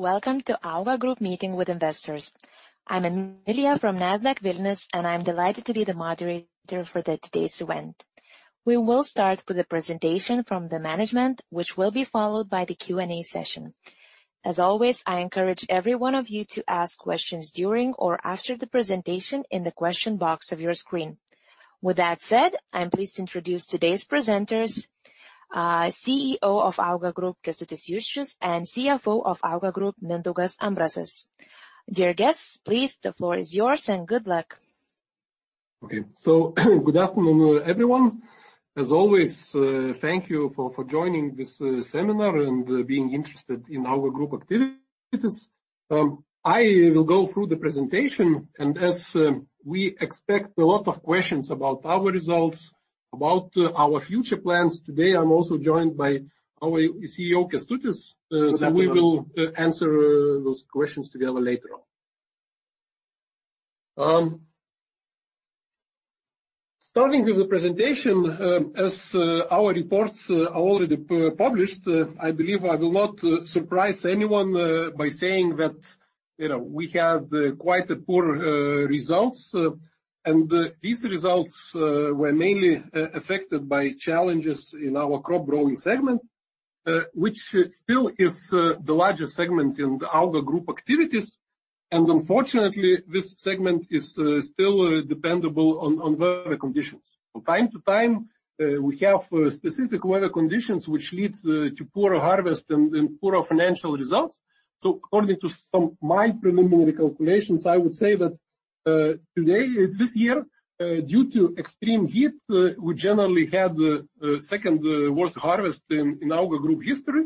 Welcome to AUGA Group meeting with investors. I'm Emilija from Nasdaq Vilnius, and I'm delighted to be the moderator for today's event. We will start with a presentation from the management, which will be followed by the Q&A session. As always, I encourage every one of you to ask questions during or after the presentation in the question box of your screen. With that said, I'm pleased to introduce today's presenters, CEO of AUGA Group, Kęstutis Juščius, and CFO of AUGA Group, Mindaugas Ambrasas. Dear guests, please, the floor is yours, and good luck. Okay. Good afternoon, everyone. As always, thank you for joining this seminar and being interested in AUGA Group activities. I will go through the presentation, and as we expect a lot of questions about our results, about our future plans, today I'm also joined by our CEO, Kęstutis. Good afternoon. We will answer those questions together later on. Starting with the presentation, as our reports are already published, I believe I will not surprise anyone by saying that, you know, we have quite a poor results. These results were mainly affected by challenges in our crop growing segment, which still is the largest segment in the AUGA Group activities. Unfortunately, this segment is still dependent on weather conditions. From time to time, we have specific weather conditions which leads to poor harvest and poor financial results. According to my preliminary calculations, I would say that this year, due to extreme heat, we generally had second worst harvest in AUGA Group history.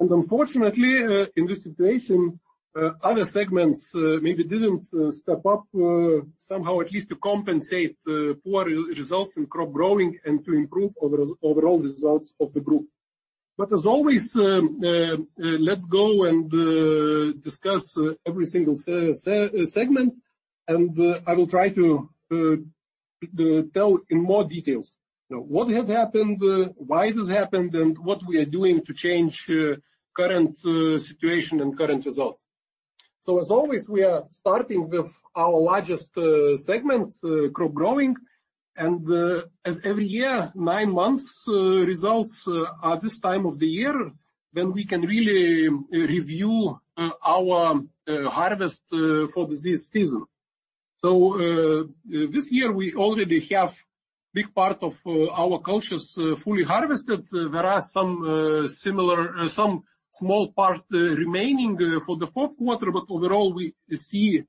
Unfortunately, in this situation, other segments maybe didn't step up somehow at least to compensate poor results in crop growing and to improve overall results of the group. As always, let's go and discuss every single segment, and I will try to tell in more details. Now, what have happened, why this happened, and what we are doing to change current situation and current results. As always, we are starting with our largest segment, crop growing. As every year, nine months results at this time of the year, then we can really review our harvest for this season. This year we already have big part of our cultures fully harvested. There are some small part remaining for the Q4, but overall, we see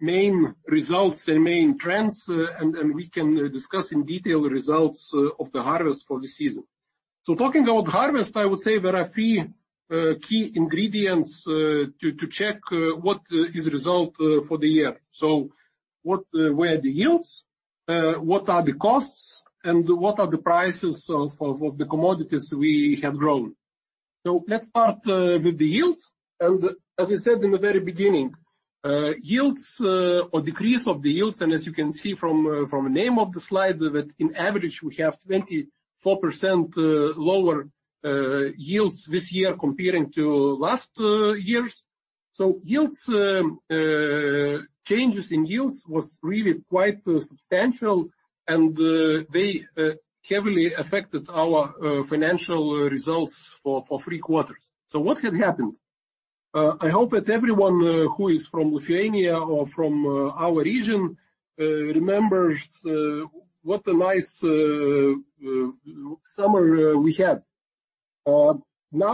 main results and main trends, and we can discuss in detail results of the harvest for the season. Talking about harvest, I would say there are three key ingredients to check what is result for the year. What were the yields? What are the costs? And what are the prices of the commodities we have grown? Let's start with the yields. As I said in the very beginning, yields or decrease of the yields, and as you can see from the name of the slide, that in average, we have 24% lower yields this year comparing to last years. Yields, changes in yields was really quite substantial, and they heavily affected our financial results for three quarters. What had happened? I hope that everyone who is from Lithuania or from our region remembers what a nice summer we had. Now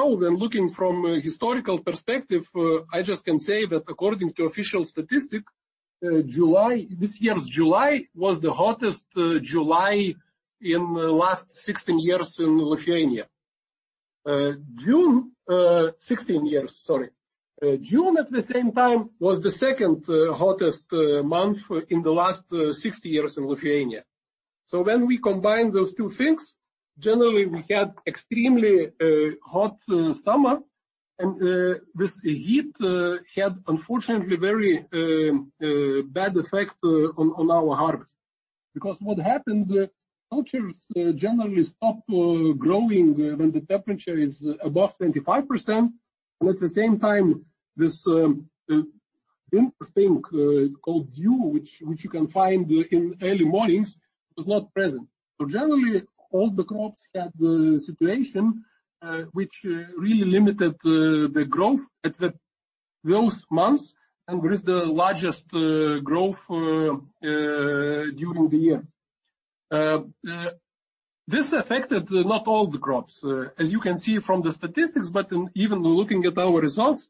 when looking from a historical perspective, I just can say that according to official statistics, July, this year's July was the hottest July in the last 16 years in Lithuania. June, at the same time, was the second hottest month in the last 60 years in Lithuania. When we combine those two things, generally, we had extremely hot summer, and this heat had unfortunately very bad effect on our harvest. Because what happened, cultures generally stop growing when the temperature is above 25 degrees. At the same time, this thing called dew, which you can find in early mornings, was not present. Generally, all the crops had the situation which really limited the growth at those months and where is the largest growth during the year. This affected not all the crops. As you can see from the statistics, but in even looking at our results,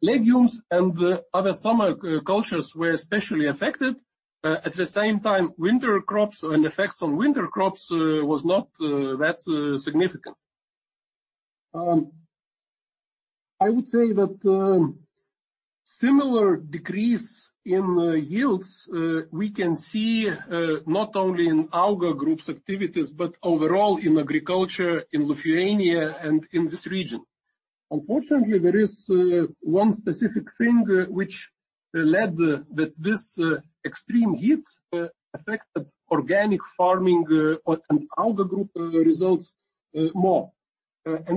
legumes and other summer cultures were especially affected. At the same time, winter crops and effects on winter crops was not that significant. I would say that similar decrease in yields we can see not only in AUGA Group's activities, but overall in agriculture in Lithuania and in this region. Unfortunately, there is one specific thing which led to this extreme heat affected organic farming and AUGA group results more.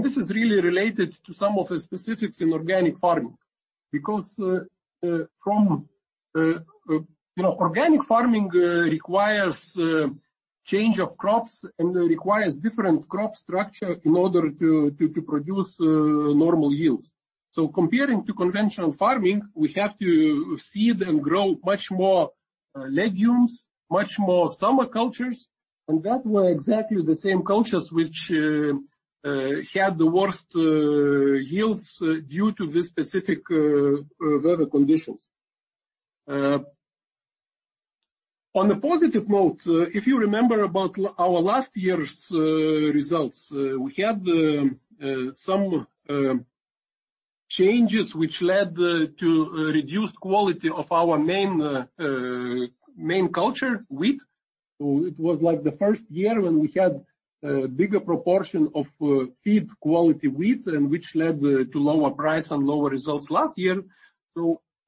This is really related to some of the specifics in organic farming. Because organic farming requires change of crops and requires different crop structure in order to produce normal yields. Comparing to conventional farming, we have to seed and grow much more legumes, much more summer crops. That were exactly the same cultures which had the worst yields due to the specific weather conditions. On a positive note, if you remember about our last year's results, we had some changes which led to reduced quality of our main culture, wheat. It was like the first year when we had bigger proportion of feed quality wheat and which led to lower price and lower results last year.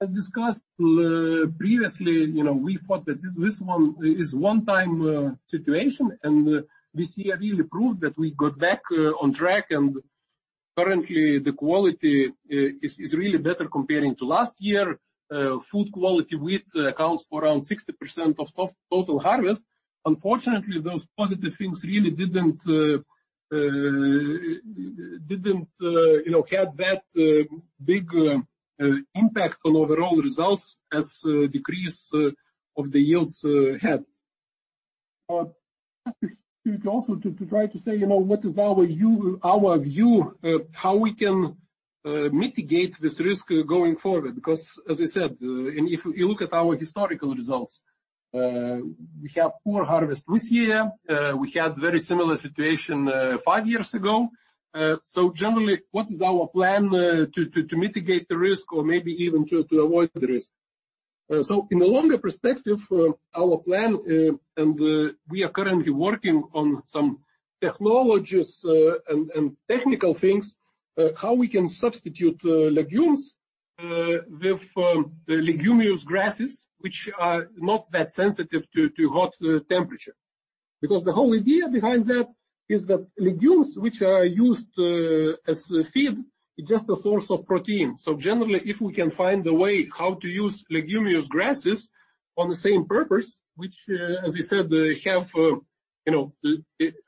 As discussed previously, you know, we thought that this one is one time situation, and this year really proved that we got back on track. Currently the quality is really better comparing to last year. Food quality wheat accounts for around 60% of total harvest. Unfortunately, those positive things really didn't, you know, have that big impact on overall results as decrease of the yields had. Just to try to say, you know, what is our view of how we can mitigate this risk going forward. Because as I said, if you look at our historical results, we have poor harvest this year. We had very similar situation five years ago. Generally, what is our plan to mitigate the risk or maybe even to avoid the risk? In the longer perspective, our plan, and we are currently working on some technologies and technical things how we can substitute legumes with leguminous grasses, which are not that sensitive to hot temperature. Because the whole idea behind that is that legumes, which are used as feed, is just a source of protein. Generally, if we can find a way how to use leguminous grasses on the same purpose, which, as I said, you know,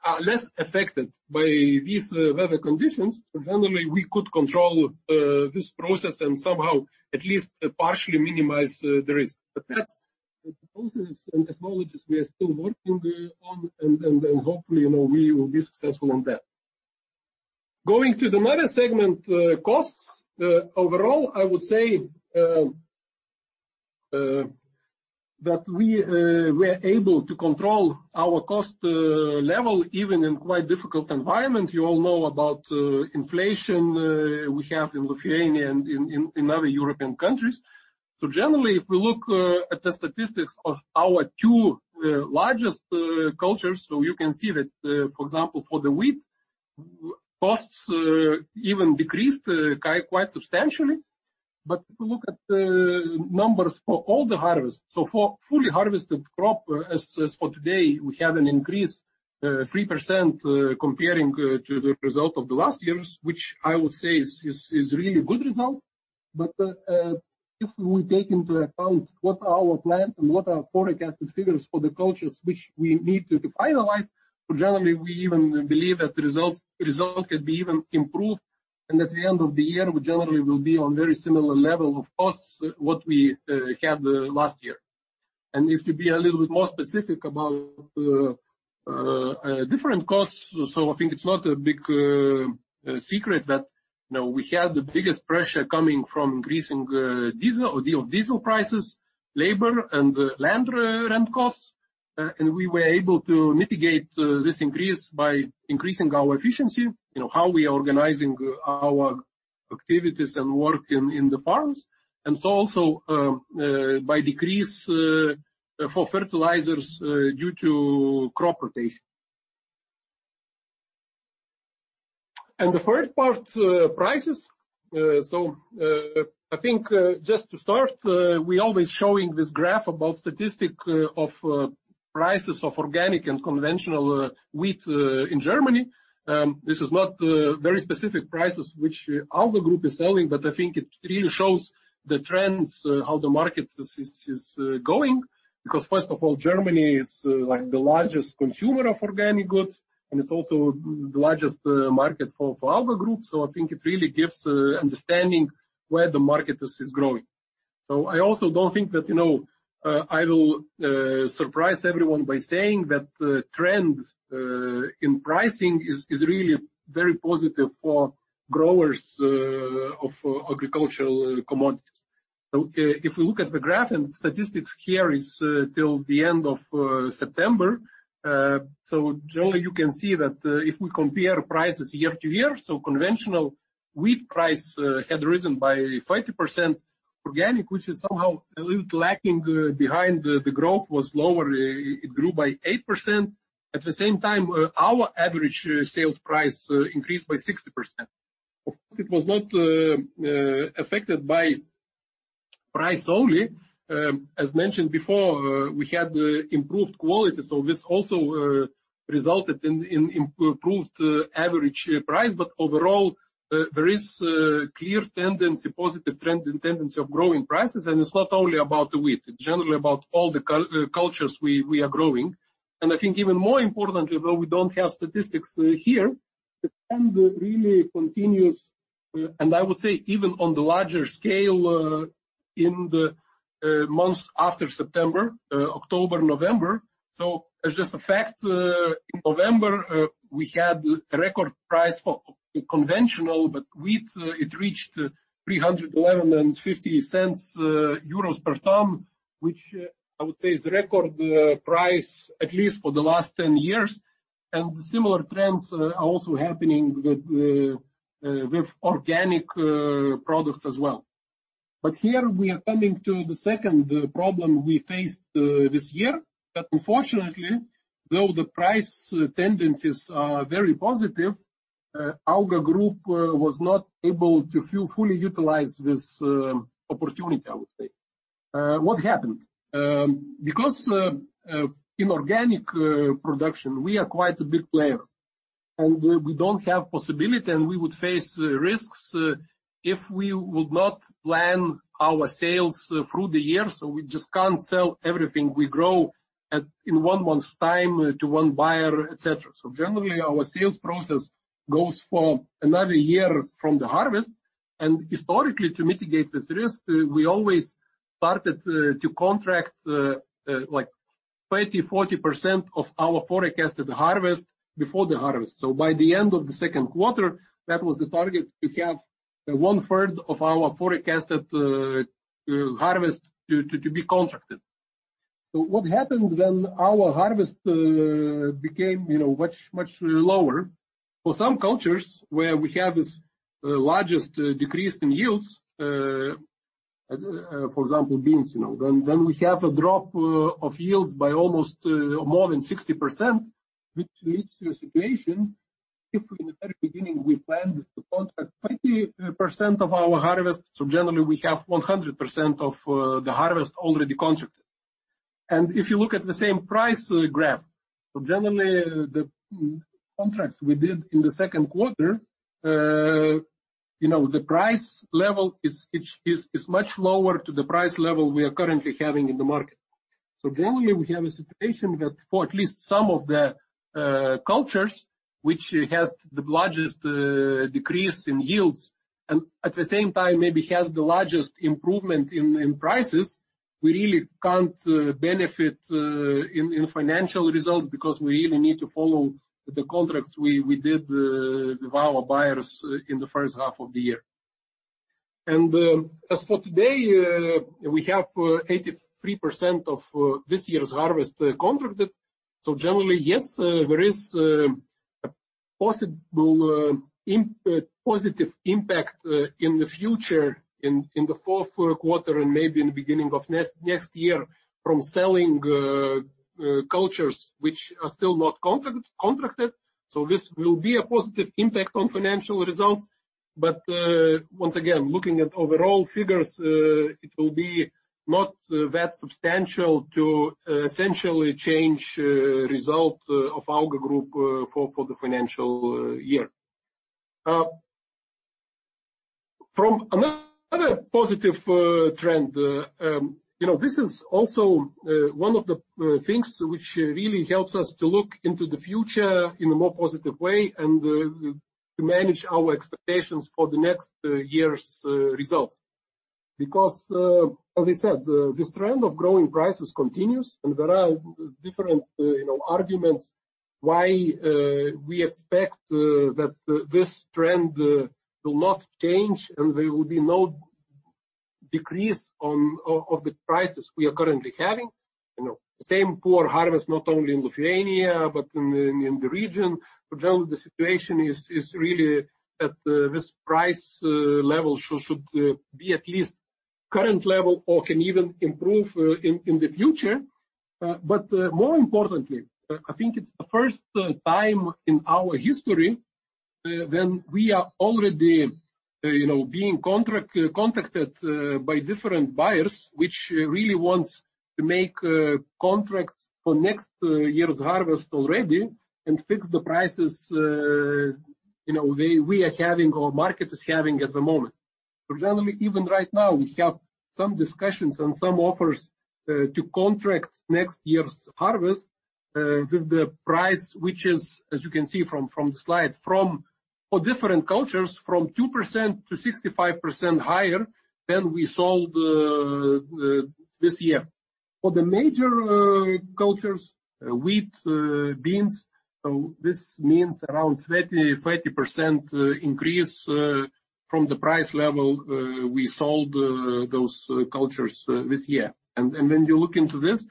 are less affected by these weather conditions. Generally, we could control this process and somehow at least partially minimize the risk. That's the processes and technologies we are still working on, and hopefully, you know, we will be successful on that. Going to another segment, costs. Overall, I would say that we're able to control our cost level even in quite difficult environment. You all know about inflation we have in Lithuania and in other European countries. Generally, if we look at the statistics of our two largest cultures, you can see that for example for the wheat costs even decreased quite substantially. If you look at the numbers for all the harvest, so for fully harvested crop, as of today, we have an increase 3% comparing to the result of the last years, which I would say is really good result. If we take into account what are our plans and what are forecasted figures for the cultures which we need to finalize. Generally, we even believe that the results could be even improved, and at the end of the year, we generally will be on very similar level of costs what we had last year. If to be a little bit more specific about different costs. I think it's not a big secret that, you know, we had the biggest pressure coming from increasing diesel prices, labor and land rent costs. And we were able to mitigate this increase by increasing our efficiency. You know, how we are organizing our activities and work in the farms. Also, by decrease for fertilizers due to crop rotation. The third part, prices. I think, just to start, we always showing this graph about statistic of prices of organic and conventional wheat in Germany. This is not very specific prices which AUGA group is selling, but I think it really shows the trends how the market is going. Because first of all, Germany is like the largest consumer of organic goods, and it's also the largest market for AUGA group. I think it really gives understanding where the market is growing. I also don't think that, you know, I will surprise everyone by saying that the trend in pricing is really very positive for growers of agricultural commodities. If we look at the graph and statistics here, it's till the end of September. Generally, you can see that if we compare prices year to year. Conventional wheat price had risen by 50%. Organic, which is somehow a little lagging behind. The growth was lower. It grew by 8%. At the same time, our average sales price increased by 60%. Of course, it was not affected by price only. As mentioned before, we had improved quality. This also resulted in improved average price. Overall, there is clear tendency, positive trend and tendency of growing prices. It's not only about wheat, generally about all the cultures we are growing. I think even more importantly, although we don't have statistics here, the trend really continues, and I would say even on the larger scale, in the months after September, October, November. As just a fact, in November, we had a record price for conventional wheat. It reached 311.50 euros per ton, which I would say is the record price, at least for the last 10 years. Similar trends are also happening with organic products as well. Here we are coming to the second problem we faced this year. That, unfortunately, though the price tendencies are very positive, AUGA group was not able to fully utilize this opportunity, I would say. What happened? Because in organic production, we are quite a big player, and we don't have possibility, and we would face risks if we would not plan our sales through the year. We just can't sell everything we grow in one month's time to one buyer, et cetera. Generally, our sales process goes for another year from the harvest. Historically, to mitigate this risk, we always started to contract like 20%-40% of our forecasted harvest before the harvest. By the end of the Q2, that was the target, to have one-third of our forecasted harvest to be contracted. What happened when our harvest became, you know, much lower? For some cultures where we have this largest decrease in yields, for example, beans, you know. We have a drop of yields by almost more than 60%, which leads to a situation if we in the very beginning, we planned to contract 20% of our harvest. Generally we have 100% of the harvest already contracted. If you look at the same price graph. Generally, the contracts we did in the Q2, you know, the price level is much lower to the price level we are currently having in the market. Generally, we have a situation that for at least some of the cultures which has the largest decrease in yields and at the same time maybe has the largest improvement in prices. We really can't benefit in financial results because we really need to follow the contracts we did with our buyers in the first half of the year. As for today, we have 83% of this year's harvest contracted. Generally, yes, there is a possible positive impact in the future in the Q4 and maybe in the beginning of next year from selling cultures which are still not contracted. This will be a positive impact on financial results. Once again, looking at overall figures, it will be not that substantial to essentially change result of AUGA Group for the financial year from another positive trend. You know, this is also one of the things which really helps us to look into the future in a more positive way and to manage our expectations for the next year's results. Because, as I said, this trend of growing prices continues, and there are different, you know, arguments why we expect that this trend will not change and there will be no decrease of the prices we are currently having. You know, same poor harvest, not only in Lithuania, but in the region. Generally, the situation is really at this price level. should be at least current level or can even improve in the future. More importantly, I think it's the first time in our history when we are already, you know, being contacted by different buyers, which really wants to make contracts for next year's harvest already and fix the prices, you know, our market is having at the moment. Generally, even right now, we have some discussions and some offers to contract next year's harvest with the price, which is, as you can see from the slide, for different cultures, 2%-65% higher than we sold this year. For the major cultures, wheat, beans. This means around 30% increase from the price level we sold those cultures this year. When you look into this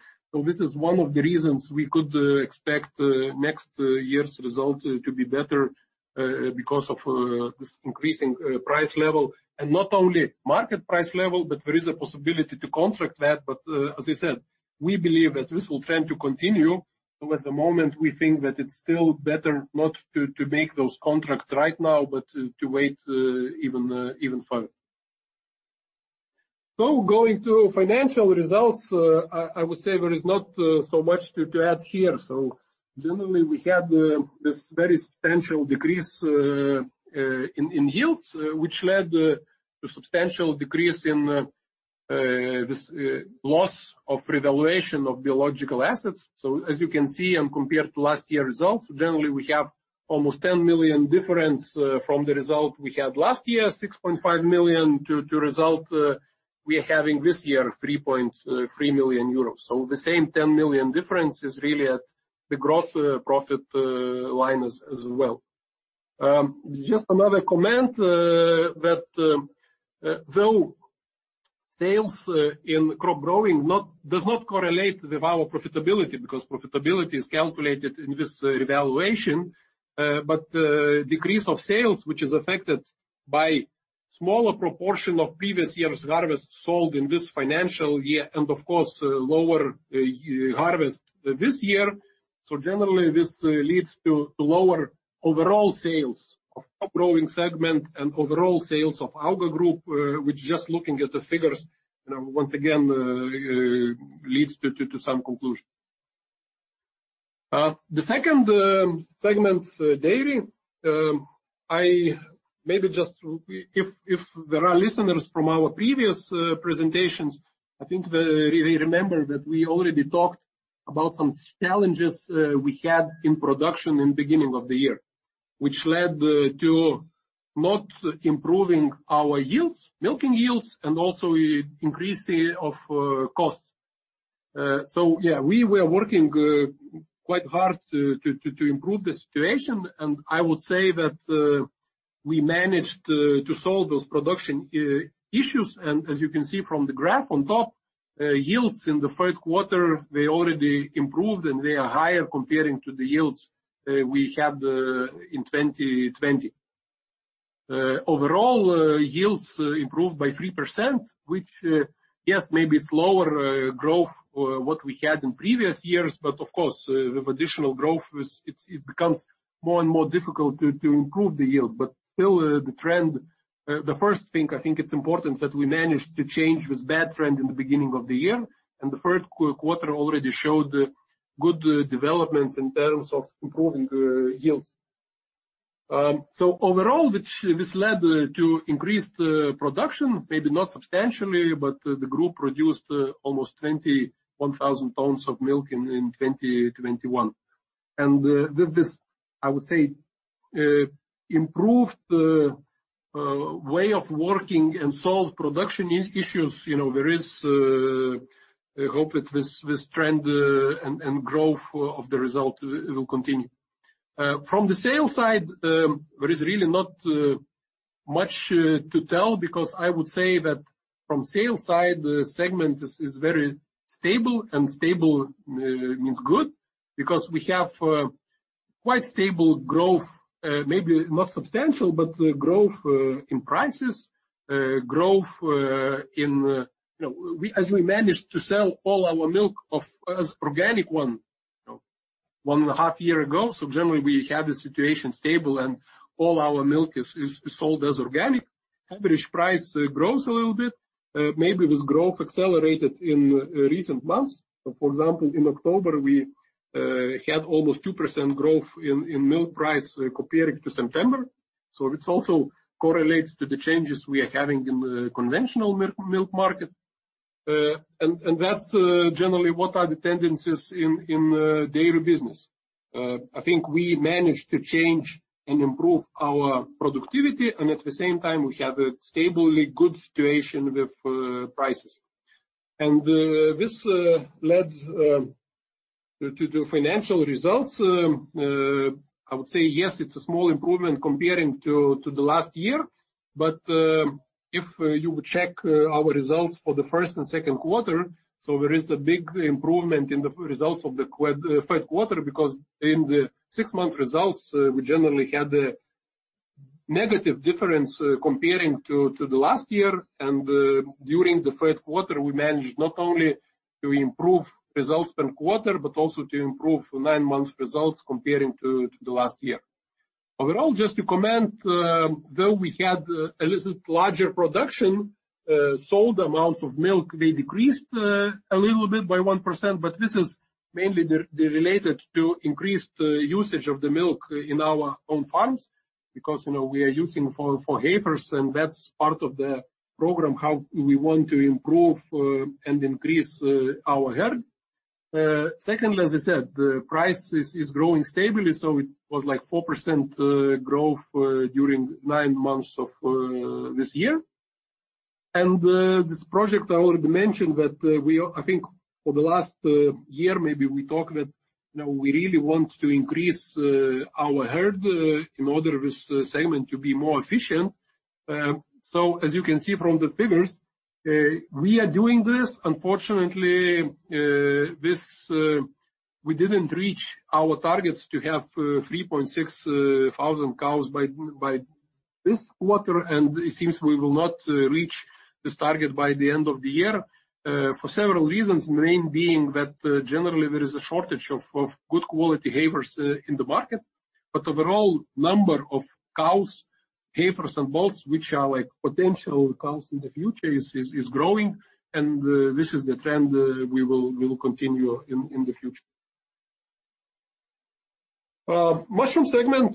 is one of the reasons we could expect next year's result to be better because of this increasing price level. Not only market price level, but there is a possibility to contract that. As I said, we believe that this will tend to continue. At the moment, we think that it's still better not to make those contracts right now, but to wait even further. Going to financial results, I would say there is not so much to add here. Generally, we had this very substantial decrease in yields, which led to substantial decrease in this loss on revaluation of biological assets. As you can see, compared to last year results, generally we have almost 10 million difference from the result we had last year, 6.5 million, to the result we're having this year, 3.3 million euros. The same 10 million difference is really at the gross profit line as well. Just another comment that although sales in crop growing does not correlate with our profitability because profitability is calculated in this revaluation. Decrease of sales, which is affected by smaller proportion of previous year's harvest sold in this financial year and of course, lower harvest this year. Generally, this leads to lower overall sales of crop growing segment and overall sales of AUGA Group, which just looking at the figures, you know, once again, leads to some conclusion. The second segment, dairy. I maybe just if there are listeners from our previous presentations, I think they remember that we already talked about some challenges we had in production in beginning of the year. Which led to not improving our yields, milking yields, and also increase of costs. Yeah, we were working quite hard to improve the situation, and I would say that we managed to solve those production issues. As you can see from the graph on top, yields in the Q3 already improved, and they are higher comparing to the yields we had in 2020. Overall, yields improved by 3%, which yes, maybe it's lower growth what we had in previous years, but of course, with additional growth it's becomes more and more difficult to improve the yields. Still, the trend. The first thing, I think it's important that we managed to change this bad trend in the beginning of the year, and the Q3 already showed good developments in terms of improving yields. Overall, this led to increased production, maybe not substantially, but the group produced almost 21,000 tons of milk in 2021. With this, I would say improved way of working and solved production issues. You know, there is, I hope that this trend and growth of the result will continue. From the sales side, there is really not much to tell because I would say that from sales side, the segment is very stable, and stable means good because we have quite stable growth, maybe not substantial, but growth in prices. Growth in, you know, as we managed to sell all our milk as organic one and a half years ago. Generally, we have the situation stable and all our milk is sold as organic. Average price grows a little bit. Maybe this growth accelerated in recent months. For example, in October, we had almost 2% growth in milk price comparing to September. It also correlates to the changes we are having in conventional milk market. That's generally what are the tendencies in dairy business. I think we managed to change and improve our productivity, and at the same time, we have a stably good situation with prices. This led to financial results. I would say yes, it's a small improvement comparing to the last year. If you check our results for the first and Q2, there is a big improvement in the results of the Q3, because in the six-month results, we generally had a negative difference comparing to the last year. During the Q3, we managed not only to improve results this quarter, but also to improve nine months results comparing to the last year. Overall, just to comment, though we had a little larger production, sold amounts of milk, we decreased a little bit by 1%, but this is mainly related to increased usage of the milk in our own farms because, you know, we are using for heifers, and that's part of the program, how we want to improve and increase our herd. Secondly, as I said, the price is growing stably, so it was like 4% growth during 9 months of this year. This project I already mentioned that I think for the last year, maybe we talked that, you know, we really want to increase our herd in order this segment to be more efficient. As you can see from the figures, we are doing this. Unfortunately, we didn't reach our targets to have 3.6 thousand cows by this quarter, and it seems we will not reach this target by the end of the year for several reasons. Main being that generally there is a shortage of good quality heifers in the market. Overall number of cows, heifers and bulls, which are like potential cows in the future, is growing and this is the trend we will continue in the future. Mushroom segment,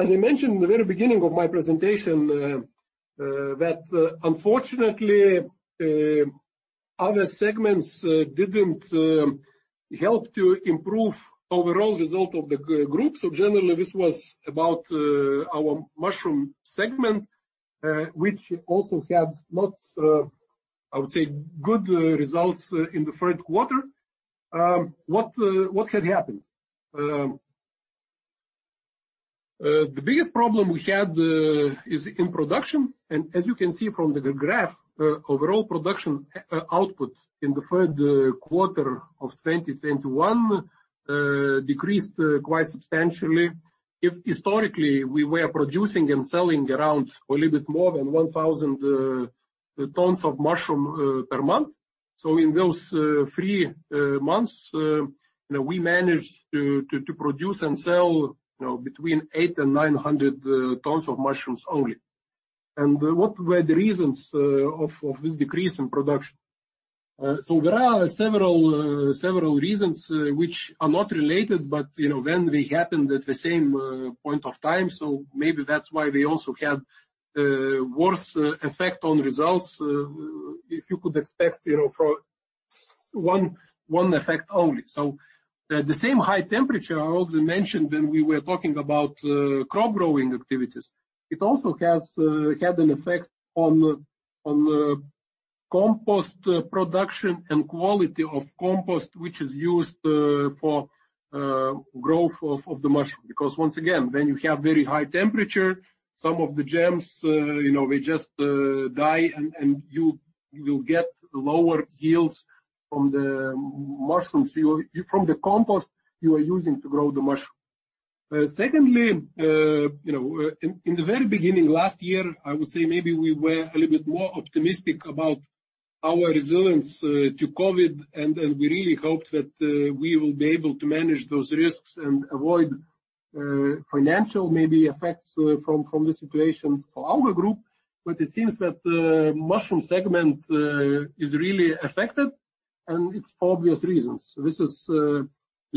as I mentioned in the very beginning of my presentation, that unfortunately other segments didn't help to improve overall result of the Group. Generally, this was about our mushroom segment, which also had not, I would say, good results in the Q3. What had happened? The biggest problem we had is in production. As you can see from the graph, overall production output in the Q3 of 2021 decreased quite substantially. If historically, we were producing and selling around a little bit more than 1,000 tons of mushroom per month. In those three months, you know, we managed to produce and sell, you know, between 800 and 900 tons of mushrooms only. What were the reasons of this decrease in production? There are several reasons which are not related, but, you know, when they happened at the same point of time, so maybe that's why they also had worse effect on results if you could expect, you know, for one effect only. The same high temperature I already mentioned when we were talking about crop growing activities. It also has had an effect on compost production and quality of compost, which is used for growth of the mushroom. Because once again, when you have very high temperature, some of the germs they just die and you will get lower yields from the compost you are using to grow the mushroom. Secondly, in the very beginning last year, I would say maybe we were a little bit more optimistic about our resilience to COVID. We really hoped that we will be able to manage those risks and avoid financial maybe effects from the situation for our group. It seems that the mushroom segment is really affected, and it's for obvious reasons. This is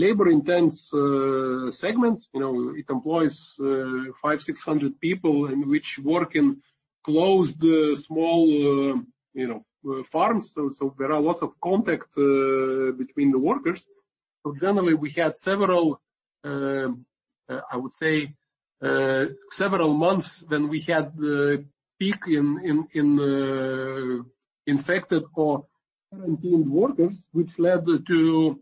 labor-intensive segment. You know, it employs 500-600 people who work in closed small, you know, farms. There are lots of contact between the workers. Generally we had several, I would say, several months when we had the peak in infected or quarantined workers, which led to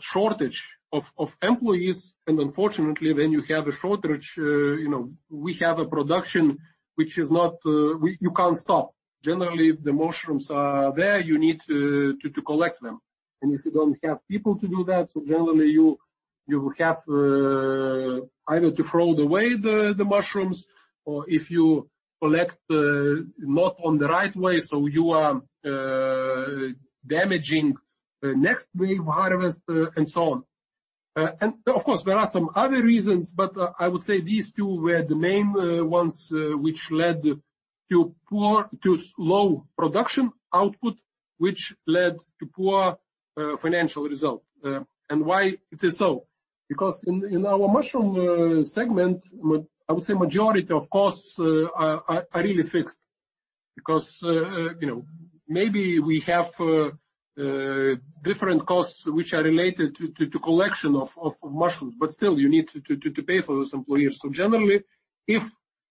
shortage of employees. Unfortunately, when you have a shortage, you know, we have a production which you can't stop. Generally, if the mushrooms are there, you need to collect them. If you don't have people to do that, generally you have either to throw away the mushrooms or if you collect not on the right way, you are damaging the next wave harvest, and so on. Of course there are some other reasons, but I would say these two were the main ones which led to low production output, which led to poor financial result. Why it is so? Because in our mushroom segment, I would say majority of costs are really fixed. Because you know, maybe we have different costs which are related to collection of mushrooms, but still you need to pay for those employees. Generally, if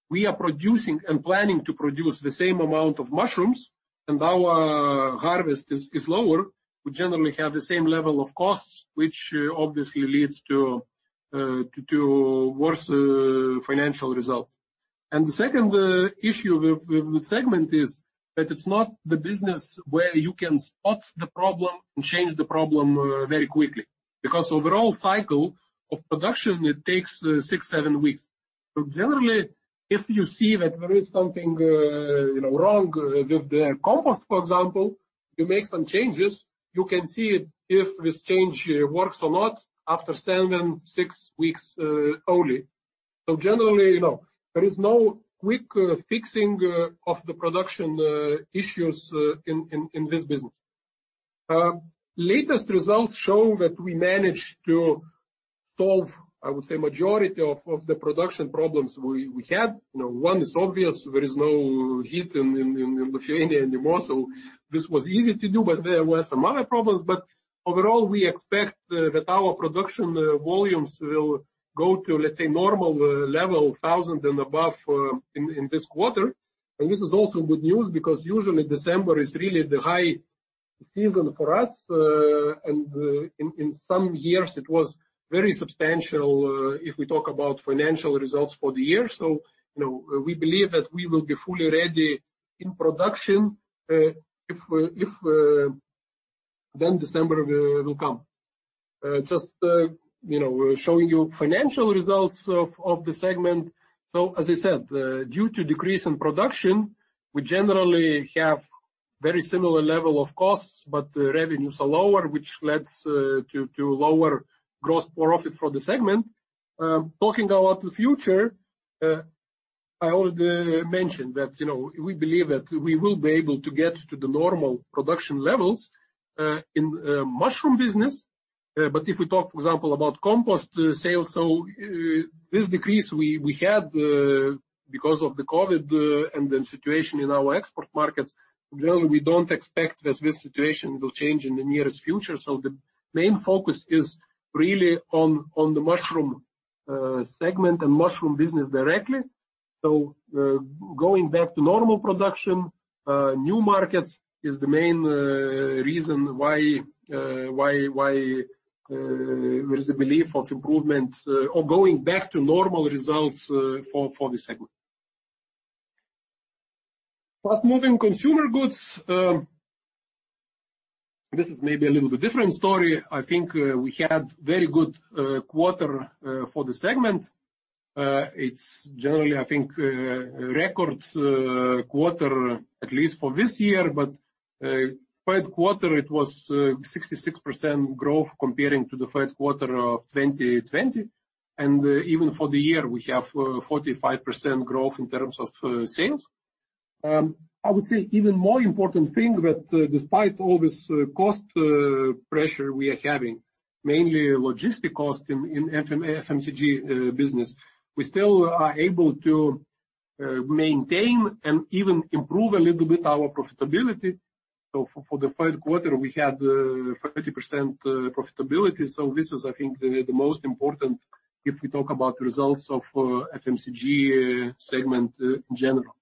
we are producing and planning to produce the same amount of mushrooms and our harvest is lower, we generally have the same level of costs, which obviously leads to worse financial results. The second issue with the segment is that it's not the business where you can spot the problem and change the problem very quickly. Because overall cycle of production, it takes 6-7 weeks. Generally, if you see that there is something, you know, wrong with the compost, for example, you make some changes, you can see if this change works or not after 6-7 weeks only. Generally, you know, there is no quick fixing of the production issues in this business. Latest results show that we managed to solve, I would say, majority of the production problems we had. You know, one is obvious. There is no heat in Lithuania anymore. This was easy to do. There were some other problems. Overall, we expect that our production volumes will go to, let's say, normal level, 1,000 and above, in this quarter. This is also good news because usually December is really the high season for us. In some years it was very substantial if we talk about financial results for the year. You know, we believe that we will be fully ready in production if then December will come. Just you know, showing you financial results of the segment. As I said, due to decrease in production, we generally have very similar level of costs, but revenues are lower, which leads to lower gross profit for the segment. Talking about the future, I already mentioned that, you know, we believe that we will be able to get to the normal production levels in mushroom business. If we talk, for example, about compost sales, this decrease we had because of the COVID and the situation in our export markets, generally, we don't expect that this situation will change in the nearest future. The main focus is really on the mushroom segment and mushroom business directly. Going back to normal production, new markets is the main reason why there is a belief of improvement or going back to normal results for this segment. Fast-moving consumer goods. This is maybe a little bit different story. I think we had very good quarter for the segment. It's generally, I think, a record quarter, at least for this year, but Q3 it was 66% growth comparing to the Q3 of 2020. Even for the year, we have 45% growth in terms of sales. I would say even more important thing that despite all this cost pressure we are having, mainly logistic cost in FMCG business, we still are able to maintain and even improve a little bit our profitability. For the Q3 we had 30% profitability. This is I think the most important if we talk about results of FMCG segment in general.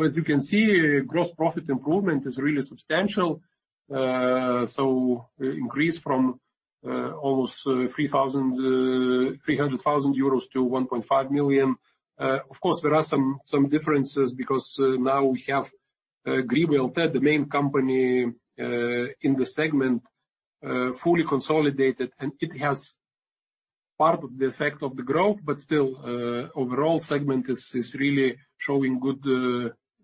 As you can see, gross profit improvement is really substantial. Increase from almost 300,000 euros to 1.5 million. Of course, there are some differences because now we have Grybų LT, the main company in the segment, fully consolidated, and it has part of the effect of the growth, but still, overall segment is really showing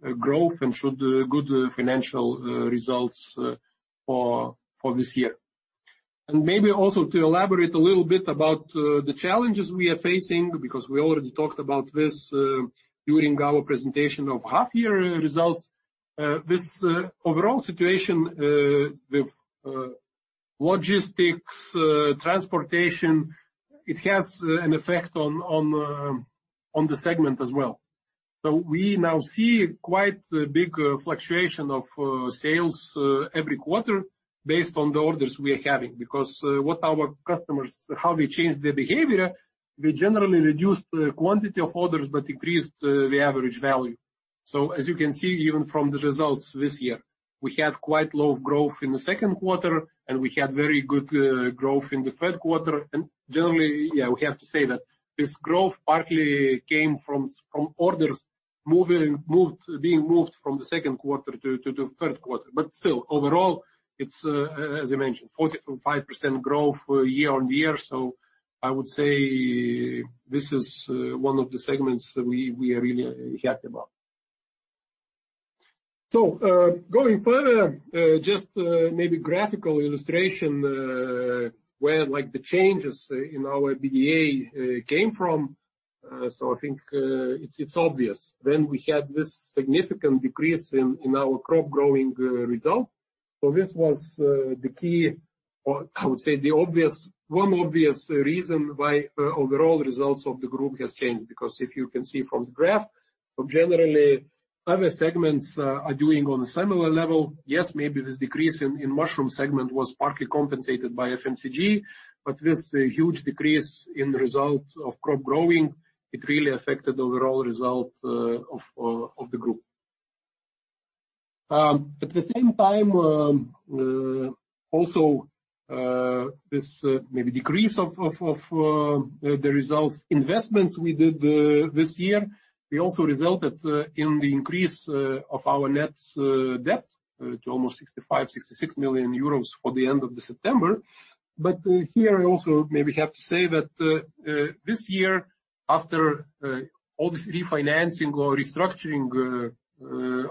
good growth and show good financial results for this year. Maybe also to elaborate a little bit about the challenges we are facing, because we already talked about this during our presentation of half year results. This overall situation with logistics, transportation, it has an effect on the segment as well. We now see quite a big fluctuation of sales every quarter based on the orders we are having. Because what our customers, how they change their behavior, they generally reduce the quantity of orders but increase the average value. As you can see, even from the results this year, we had quite low growth in the Q2, and we had very good growth in the Q3. Generally, we have to say that this growth partly came from orders being moved from the Q2 to the Q3. But still, overall, it's as I mentioned, 45% growth year-on-year. I would say this is one of the segments we are really happy about. Going further, maybe graphical illustration where, like, the changes in our EBITDA came from. I think it's obvious. We had this significant decrease in our crop growing result. This was the key or I would say the obvious reason why overall results of the group has changed. If you can see from the graph, generally other segments are doing on a similar level. Yes, maybe this decrease in mushroom segment was partly compensated by FMCG, but this huge decrease in the result of crop growing it really affected overall result of the group. At the same time, the investments we did this year also resulted in the increase of our net debt to almost 65-66 million euros at the end of September. Here I also maybe have to say that this year, after all this refinancing or restructuring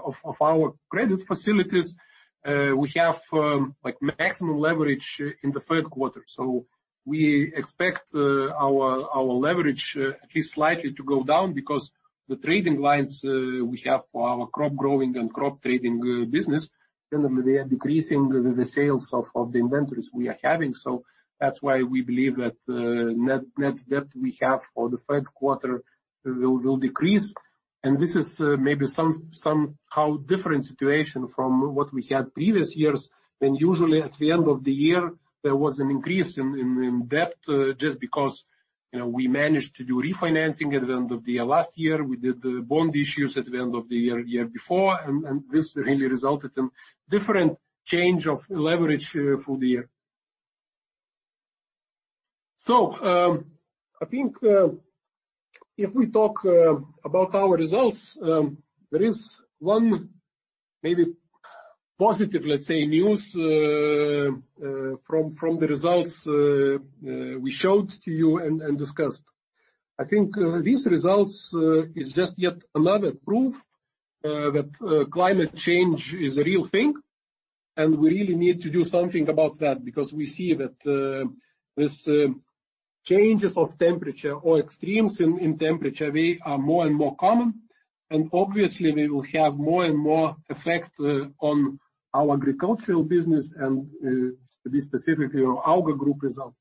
of our credit facilities, we have like maximum leverage in the Q3. We expect our leverage at least slightly to go down because the trading lines we have for our crop growing and crop trading business generally they are decreasing the sales of the inventories we are having. That's why we believe that net debt we have for the Q3 will decrease. This is maybe somehow different situation from what we had previous years, when usually at the end of the year, there was an increase in debt just because, you know, we managed to do refinancing at the end of the last year. We did the bond issues at the end of the year before. This really resulted in different change of leverage for the year. I think if we talk about our results, there is one maybe positive, let's say, news from the results we showed to you and discussed. I think these results is just yet another proof that climate change is a real thing, and we really need to do something about that because we see that this changes of temperature or extremes in temperature, they are more and more common. Obviously they will have more and more effect on our agricultural business and specifically our AUGA group results.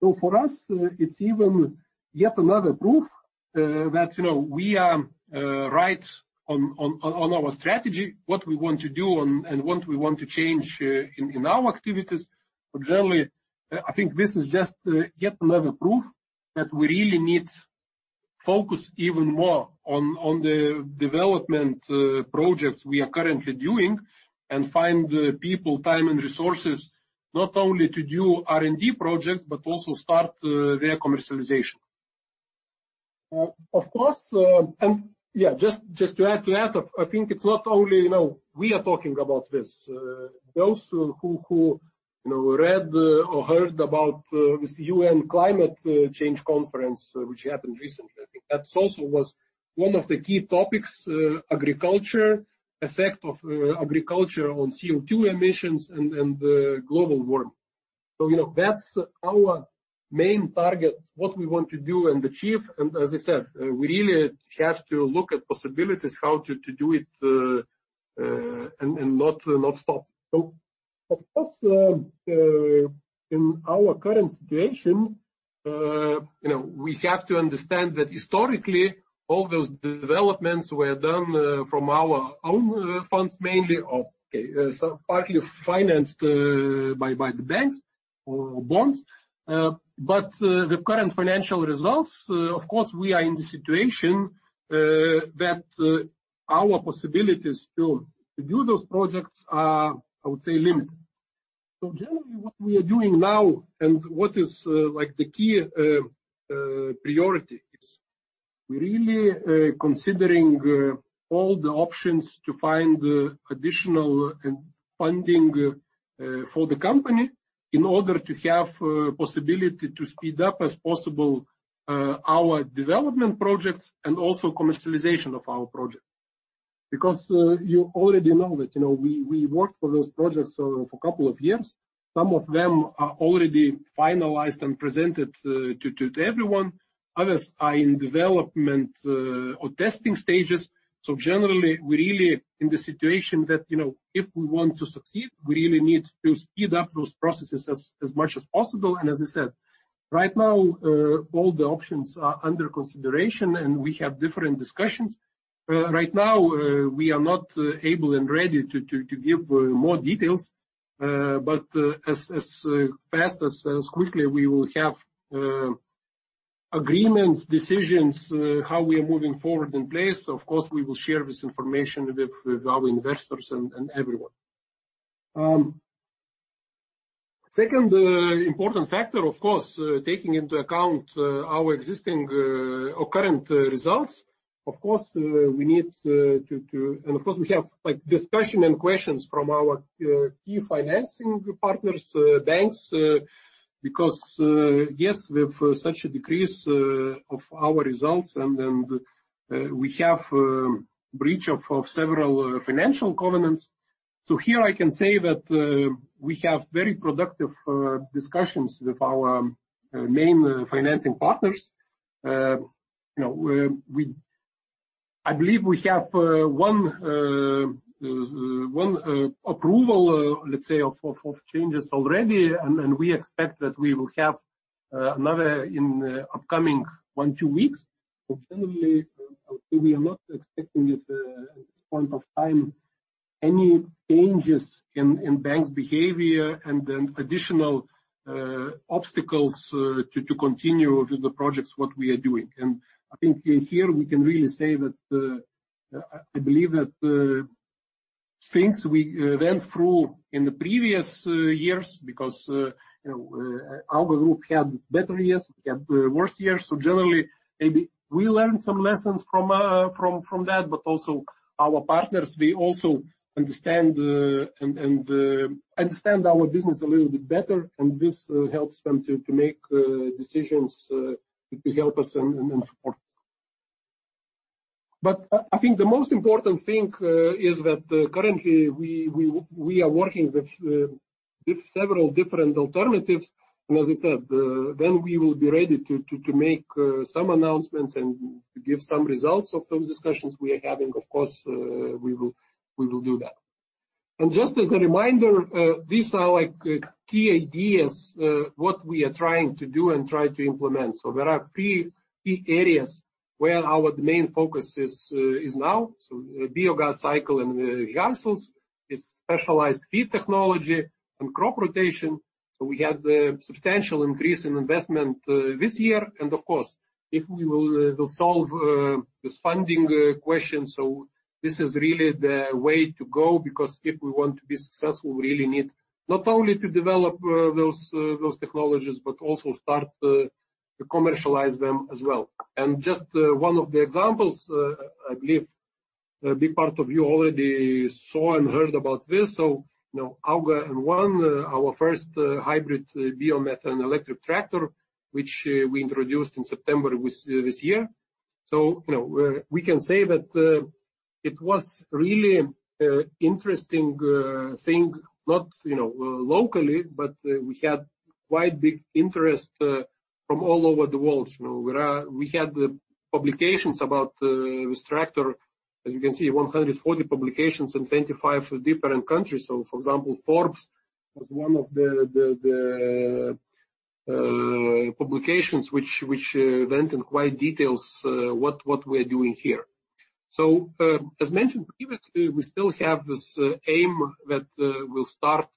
For us, it's even yet another proof that, you know, we are right on our strategy, what we want to do and what we want to change in our activities. Generally, I think this is just yet another proof that we really need to focus even more on the development projects we are currently doing and find the people, time, and resources not only to do R&D projects, but also start their commercialization. Of course, and yeah, just to add to that, I think it's not only, you know, we are talking about this. Those who, you know, read or heard about this UN Climate Change Conference, which happened recently. I think that also was one of the key topics, effect of agriculture on CO2 emissions and global warming. You know, that's our main target, what we want to do and achieve. As I said, we really have to look at possibilities how to do it and not stop. Of course, in our current situation, you know, we have to understand that historically, all those developments were done from our own funds, mainly. Okay, partly financed by the banks or bonds. The current financial results, of course, we are in the situation that our possibilities to do those projects are, I would say, limited. Generally, what we are doing now and what is like the key priority is we're really considering all the options to find additional funding for the company in order to have possibility to speed up as possible our development projects and also commercialization of our projects. Because you already know that, you know, we worked for those projects for a couple of years. Some of them are already finalized and presented to everyone. Others are in development or testing stages. Generally, we're really in the situation that, you know, if we want to succeed, we really need to speed up those processes as much as possible. As I said, right now all the options are under consideration, and we have different discussions. Right now, we are not able and ready to give more details. As quickly as we will have agreements, decisions how we are moving forward in place, of course, we will share this information with our investors and everyone. Second important factor, of course, taking into account our existing or current results. We have like discussion and questions from our key financing partners, banks, because yes, we have such a decrease of our results and we have breach of several financial covenants. Here I can say that we have very productive discussions with our main financing partners. You know, I believe we have one approval, let's say, of changes already, and we expect that we will have another in upcoming one, two weeks. Generally, we are not expecting at this point of time any changes in banks' behavior and then additional obstacles to continue with the projects what we are doing. I think here we can really say that I believe that things we went through in the previous years because you know AUGA group had better years, we had worse years. Generally, maybe we learned some lessons from that, but also our partners, they also understand our business a little bit better, and this helps them to make decisions to help us and support us. I think the most important thing is that currently we are working with several different alternatives. As I said, when we will be ready to make some announcements and give some results of those discussions we are having, of course, we will do that. Just as a reminder, these are like key ideas what we are trying to do and try to implement. There are three key areas where our main focus is now. Biogas cycle and gases. It's specialized feed technology and crop rotation. We had a substantial increase in investment this year. Of course, if we will solve this funding question. This is really the way to go, because if we want to be successful, we really need not only to develop those technologies, but also start to commercialize them as well. Just one of the examples, I believe a big part of you already saw and heard about this. You know, AUGA M1, our first hybrid biomethane electric tractor, which we introduced in September this year. You know, we can say that it was really interesting thing, not, you know, locally, but we had quite big interest from all over the world. You know, we had publications about this tractor. As you can see, 140 publications in 25 different countries. For example, Forbes was one of the publications which went in quite details what we're doing here. As mentioned previously, we still have this aim that we'll start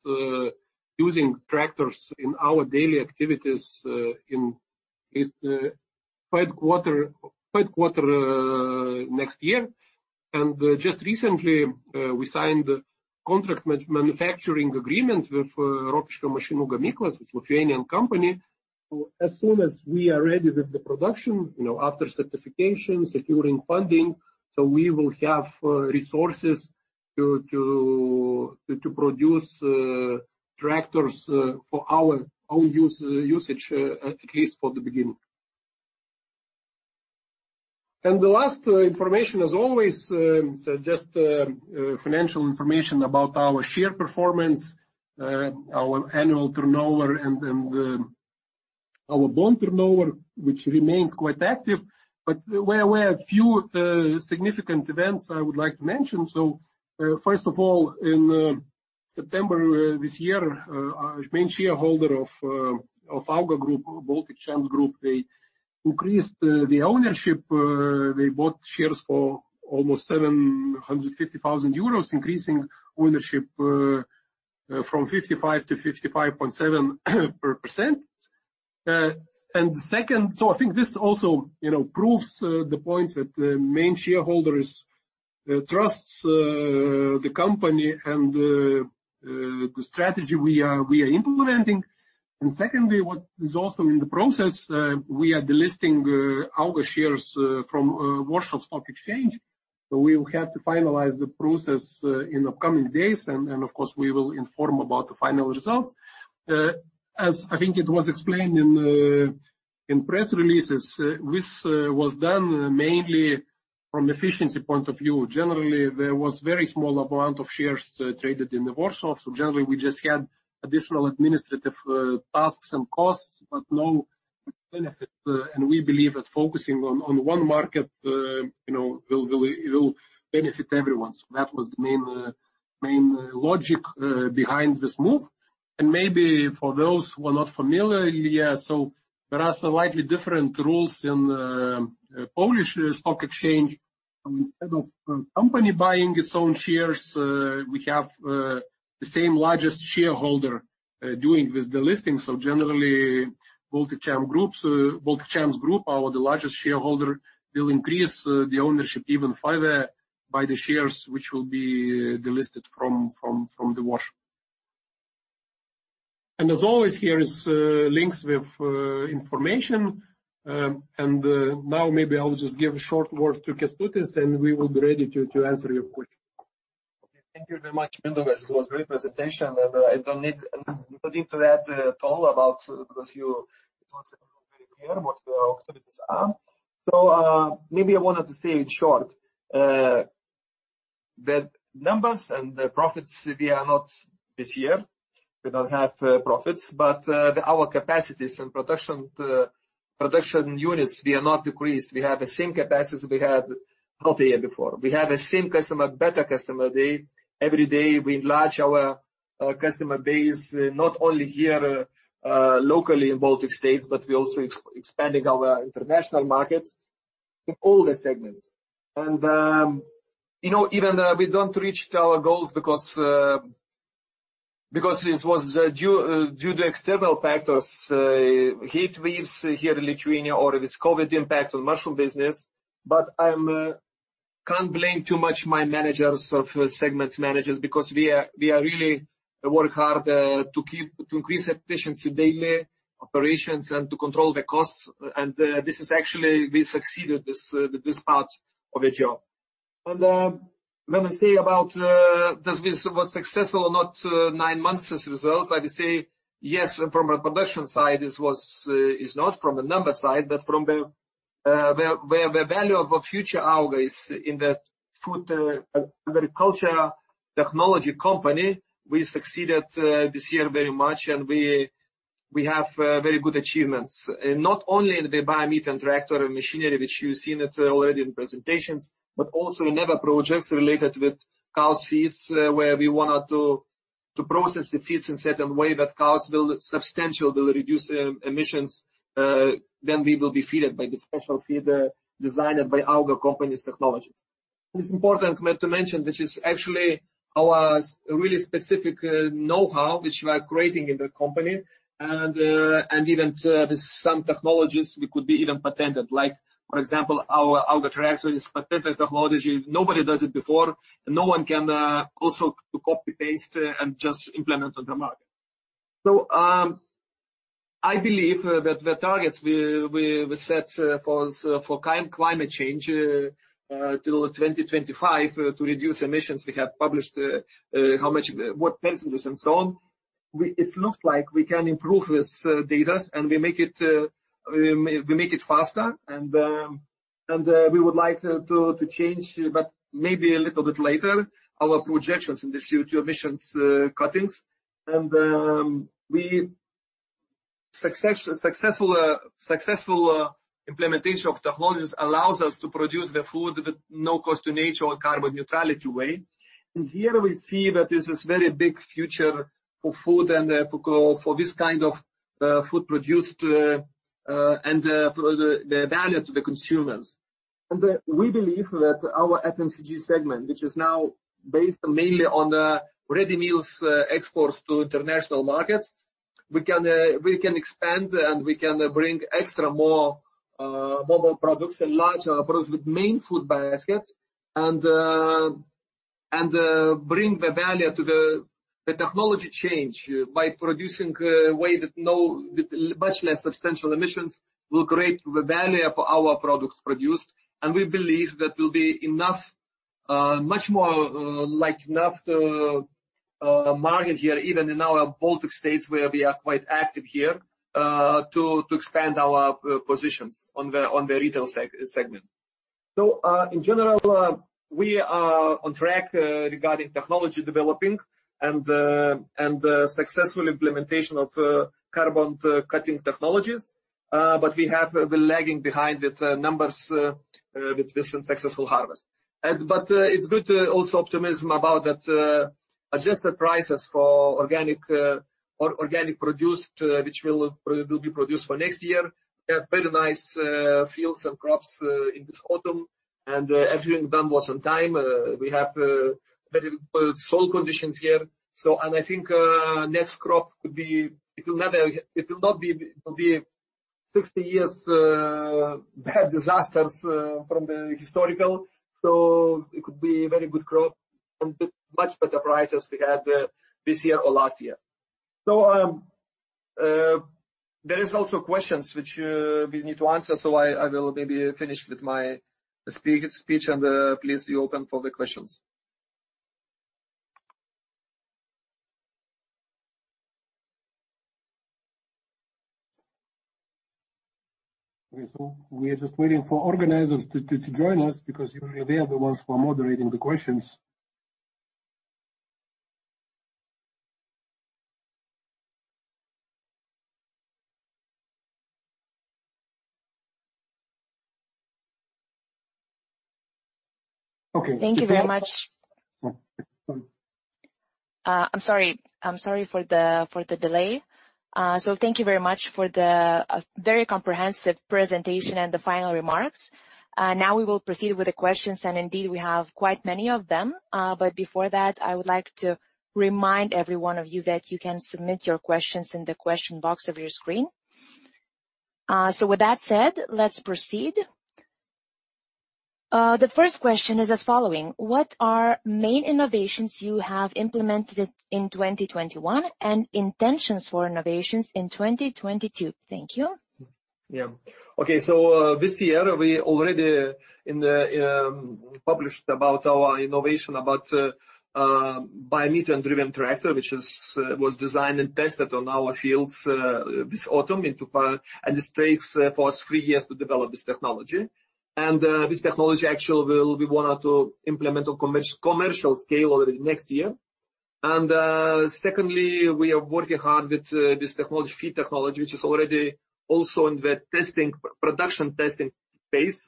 using tractors in our daily activities in at least the Q3 next year. Just recently, we signed a contract with manufacturing agreement with Rokiškio mašinų gamykla, it's Lithuanian company. As soon as we are ready with the production, you know, after certification, securing funding, so we will have resources to produce tractors for our own usage, at least for the beginning. The last information, as always, just financial information about our share performance, our annual turnover, and then the Our bond turnover, which remains quite active. We have a few significant events I would like to mention. First of all, in September this year, our main shareholder of AUGA group, Baltic Champs Group, they increased the ownership. They bought shares for almost 750,000 euros, increasing ownership from 55% to 55.7%. I think this also proves the point that the main shareholder trusts the company and the strategy we are implementing. Secondly, what is also in the process, we are delisting AUGA shares from Warsaw Stock Exchange. We will have to finalize the process in upcoming days. Of course, we will inform about the final results. As I think it was explained in press releases, this was done mainly from efficiency point of view. Generally, there was very small amount of shares traded in the Warsaw. Generally, we just had additional administrative tasks and costs, but no benefit. We believe that focusing on one market, you know, will benefit everyone. That was the main logic behind this move. Maybe for those who are not familiar, there are slightly different rules in Polish Stock Exchange. Instead of a company buying its own shares, we have the same largest shareholder doing the delisting. Generally, Baltic Champs Group, the largest shareholder, will increase the ownership even further by the shares, which will be delisted from the Warsaw. As always, here are links with information. Now maybe I'll just give a short word to Kęstutis, and we will be ready to answer your questions. Okay. Thank you very much, Mindaugas. It was great presentation and nothing to add at all about because you talked very clear what our activities are. Maybe I wanted to say in short, that numbers and the profits, we are not this year, we don't have profits. Our capacities and production units, we are not decreased. We have the same capacity we had half a year before. We have the same customer, better customer. Every day, we enlarge our customer base, not only here, locally in Baltic States, but we're also expanding our international markets in all the segments. You know, even we don't reach our goals because this was due to external factors, heat waves here in Lithuania or this COVID impact on mushroom business. I can't blame too much my managers or segment managers because we really work hard to increase efficiency daily operations and to control the costs. This is actually we succeeded this part of the job. Let me say about was this successful or not, nine months' results. I will say yes, from a production side, this is not from a number side, but from the where the value of a future AUGA is in the food agriculture technology company. We succeeded this year very much, and we have very good achievements. Not only in the biomethane tractor and machinery, which you've seen it already in presentations, but also in other projects related with cows' feeds, where we wanted to process the feeds in certain way that cows will substantially reduce emissions, then we will be fed by the special feeder designed by AUGA company's technologies. It's important to mention, which is actually our really specific know-how which we are creating in the company, and with some technologies we could be even patented. Like, for example, our AUGA tractor is patented technology. Nobody does it before, and no one can also to copy-paste and just implement on the market. I believe that the targets we set for climate change till 2025 to reduce emissions we have published what percentages and so on. It looks like we can improve this data, and we make it faster. We would like to change, but maybe a little bit later, our projections in this CO₂ emissions cuts. Successful implementation of technologies allows us to produce the food with no cost to nature or carbon-neutral way. Here we see that there's this very big future for food and for this kind of food produced and for the value to the consumers. We believe that our FMCG segment, which is now based mainly on ready meals exports to international markets, we can expand, and we can bring extra more more products and larger products with main food baskets and bring the value to the technology change by producing way that no with much less substantial emissions will create the value for our products produced. We believe that will be enough much more like enough to market here, even in our Baltic states where we are quite active here, to expand our positions on the retail segment. In general, we are on track regarding technology developing and successful implementation of carbon cutting technologies. We have been lagging behind with the numbers, with this unsuccessful harvest. It's good. Also optimism about the adjusted prices for organic produce which will be produced for next year. We have very nice fields and crops in this autumn, and everything was done on time. We have very good soil conditions here, so I think next crop could be. It will not be 60-year bad disasters from history. It could be very good crop with much better prices than we had this year or last year. There are also questions which we need to answer. I will maybe finish with my speech, and please be open for the questions. Okay. We are just waiting for organizers to join us because usually they are the ones who are moderating the questions. Okay. Thank you very much. Oh. Um. I'm sorry for the delay. Thank you very much for the very comprehensive presentation and the final remarks. Now we will proceed with the questions, and indeed we have quite many of them. Before that, I would like to remind every one of you that you can submit your questions in the question box of your screen. With that said, let's proceed. The first question is as follows: What are the main innovations you have implemented in 2021 and intentions for innovations in 2022? Thank you. This year, we already published about our innovation about biomethane-driven tractor, which was designed and tested on our fields this autumn in the field. This takes for us three years to develop this technology. This technology actually will be wanted to implement on commercial scale already next year. Secondly, we are working hard with this technology, feed technology, which is already in the production testing phase.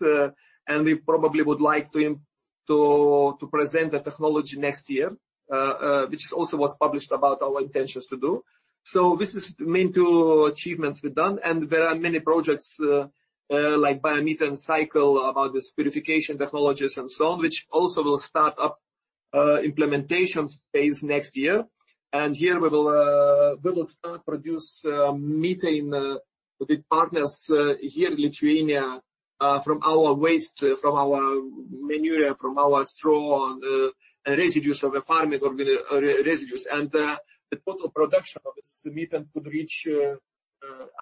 We probably would like to present the technology next year, which was also published about our intentions to do so. This is the main two achievements we've done. There are many projects like biomethane cycle about this purification technologies and so on, which also will start up implementation phase next year. Here we will start produce methane with partners here in Lithuania from our waste from our manure from our straw and residues of the farming. The total production of this methane could reach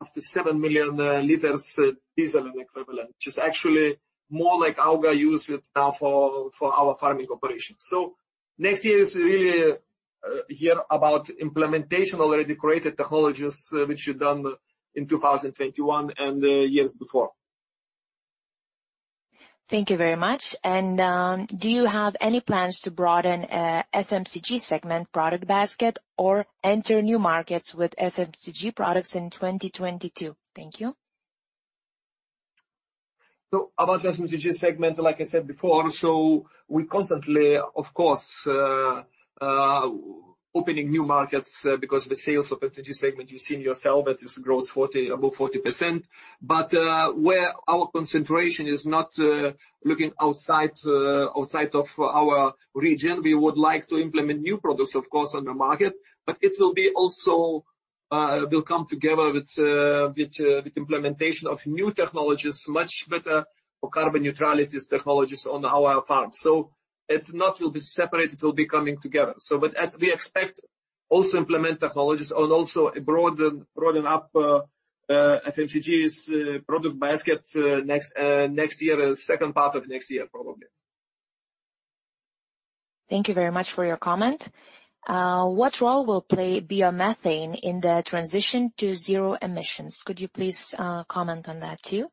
up to 7 million liters diesel equivalent, which is actually more like AUGA used for our farming operations. Next year is really year about implementation already created technologies which we've done in 2021 and the years before. Thank you very much. Do you have any plans to broaden FMCG segment product basket or enter new markets with FMCG products in 2022? Thank you. About FMCG segment, like I said before, we constantly, of course, opening new markets because the sales of energy segment, you've seen yourself that it's grown above 40%. Where our concentration is not looking outside of our region. We would like to implement new products, of course, on the market, but it will also come together with implementation of new technologies, much better for carbon neutrality technologies on our farms. It will not be separate, it will be coming together. As we expect to also implement technologies and also broaden up FMCG's product basket next year, second part of next year, probably. Thank you very much for your comment. What role will play biomethane in the transition to zero emissions? Could you please comment on that too?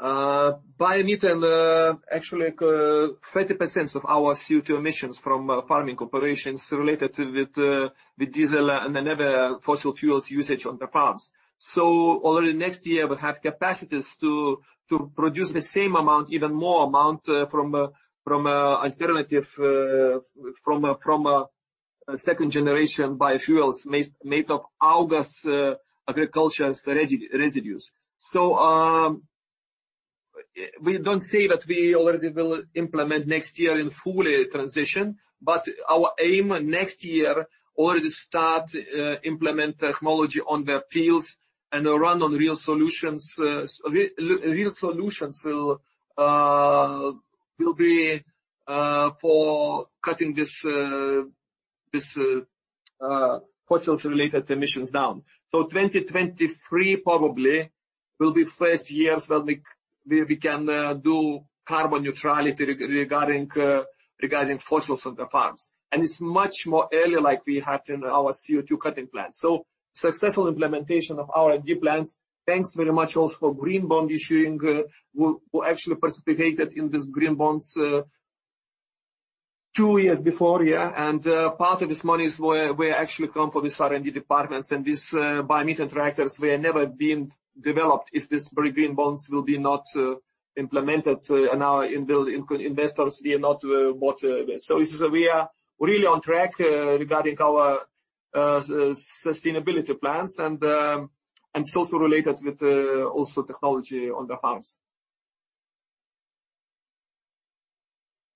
Biomethane, actually, 30% of our CO2 emissions from farming operations related to diesel and then other fossil fuels usage on the farms. Already next year, we have capacities to produce the same amount, even more amount, from alternative second-generation biofuels made of AUGA's agriculture residues. We don't say that we already will implement next year in full transition, but our aim next year already start implement technology on the fields and run on real solutions. Real solutions will be for cutting this fossil related emissions down. 2023 probably will be first years when we where we can do carbon neutrality regarding fossil on the farms. It's much more early like we had in our CO2 cutting plans. Successful implementation of our R&D plans, thanks very much also for green bond issuing. We actually participated in this green bonds two years before. Part of this money is where actually come from this R&D departments. These biomethane tractors were never been developed if this green bonds will be not implemented and our institutional investors did not bought that. This is we are really on track regarding our sustainability plans and also related with also technology on the farms.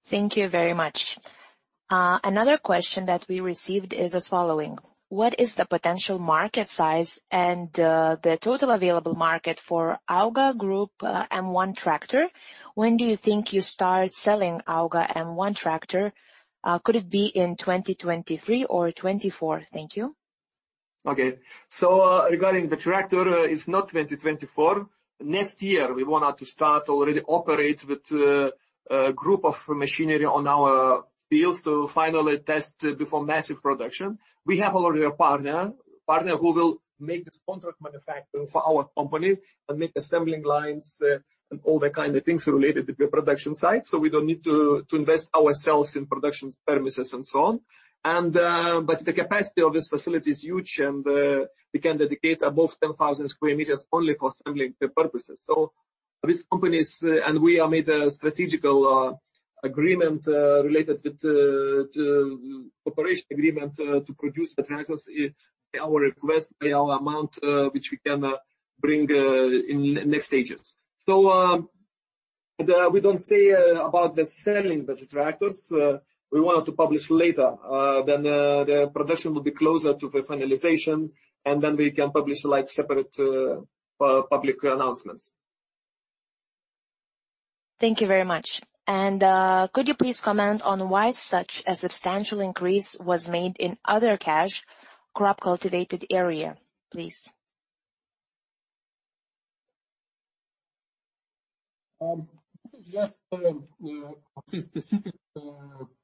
Thank you very much. Another question that we received is as follows: What is the potential market size and the total available market for AUGA group's M1 tractor? When do you think you start selling AUGA M1 tractor? Could it be in 2023 or 2024? Thank you. Regarding the tractor, it's not 2024. Next year, we want to start operating already with a group of machinery on our fields to finally test before massive production. We have already a partner who will make this contract manufacturing for our company and make assembling lines and all that kind of things related to the production site. We don't need to invest ourselves in production premises and so on. But the capacity of this facility is huge, and we can dedicate above 10,000 sq m only for assembling purposes. These companies and we have made a strategic agreement related with the operational agreement to produce the tractors by our request, by our amount, which we can bring in next stages. We don't say about selling the tractors. We wanted to publish later, when the production will be closer to the finalization, and then we can publish like separate public announcements. Thank you very much. Could you please comment on why such a substantial increase was made in other cash crop cultivated area, please? This is just specific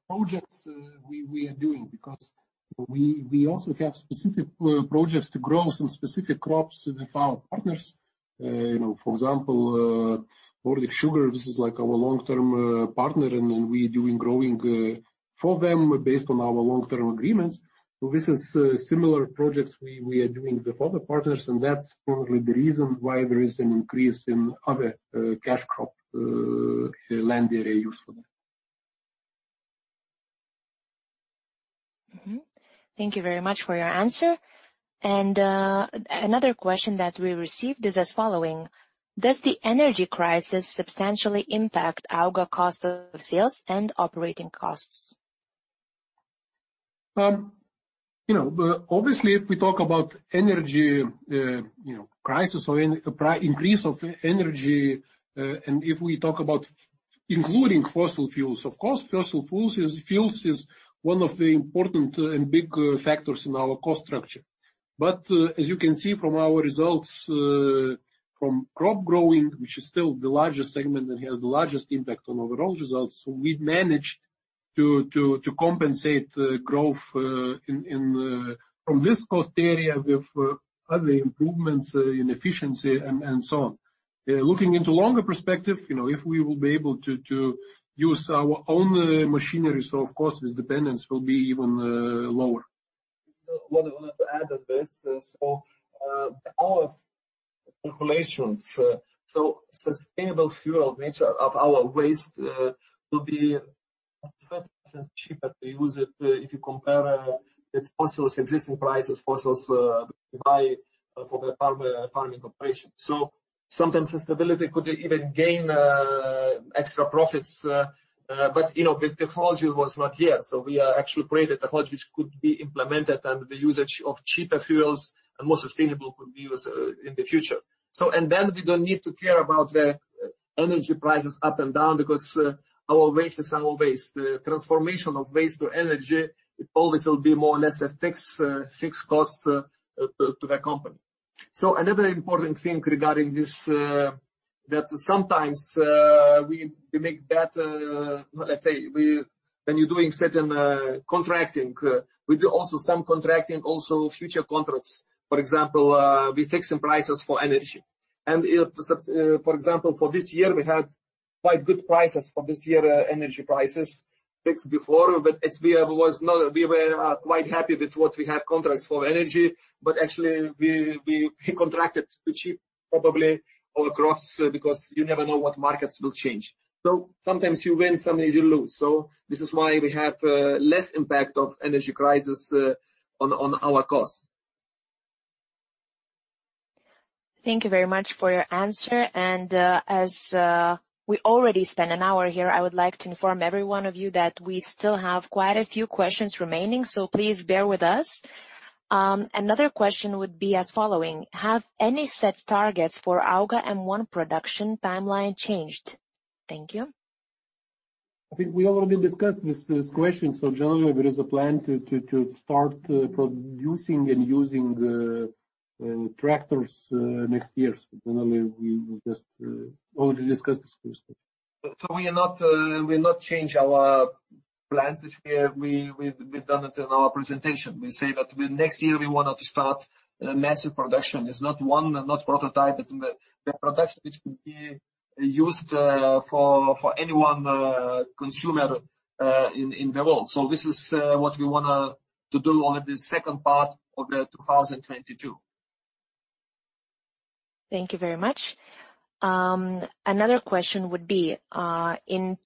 projects we are doing because we also have specific projects to grow some specific crops with our partners. You know, for example, Orkla Foods Lietuva, this is like our long-term partner, and we're doing growing for them based on our long-term agreements. This is similar projects we are doing with other partners, and that's probably the reason why there is an increase in other cash crop land area used for that. Thank you very much for your answer. Another question that we received is as following: Does the energy crisis substantially impact AUGA's cost of sales and operating costs? You know, obviously, if we talk about energy, you know, crisis or increase of energy, and if we talk about including fossil fuels, of course, fossil fuels is one of the important and big factors in our cost structure. As you can see from our results, from crop growing, which is still the largest segment and has the largest impact on overall results, we've managed to compensate growth in from this cost area with other improvements in efficiency and so on. Looking into longer perspective, you know, if we will be able to use our own machinery, of course this dependence will be even lower. What I wanted to add on this is, for our operations, sustainable fuel nature of our waste will be 20% cheaper to use it, if you compare its fossil existing prices for the farming operation. Sometimes the stability could even gain extra profits. You know, the technology was not here, we are actually created technology which could be implemented and the usage of cheaper fuels and more sustainable could be used in the future. We don't need to care about the energy prices up and down because our waste is our waste. The transformation of waste to energy, it always will be more or less a fixed cost to the company. Another important thing regarding this, when you're doing certain contracting, we do also some contracting, also future contracts. For example, we fix some prices for energy. If so, for this year we had quite good prices for this year, energy prices fixed before. We were quite happy with what we had contracts for energy. Actually we contracted too cheap probably across, because you never know what markets will change. Sometimes you win, sometimes you lose. This is why we have less impact of energy crisis on our costs. Thank you very much for your answer. As we already spent an hour here, I would like to inform every one of you that we still have quite a few questions remaining, so please bear with us. Another question would be as following: have any set targets for AUGA M1 production timeline changed? Thank you. I think we already discussed this question. Generally, there is a plan to start producing and using tractors next year. Generally we just already discussed this question. We are not changing our plans, which we've done in our presentation. We say that next year we want to start massive production. It's not one, not prototype. It's the production which will be used for any one consumer in the world. This is what we want to do in the second part of 2022. Thank you very much. Another question would be, in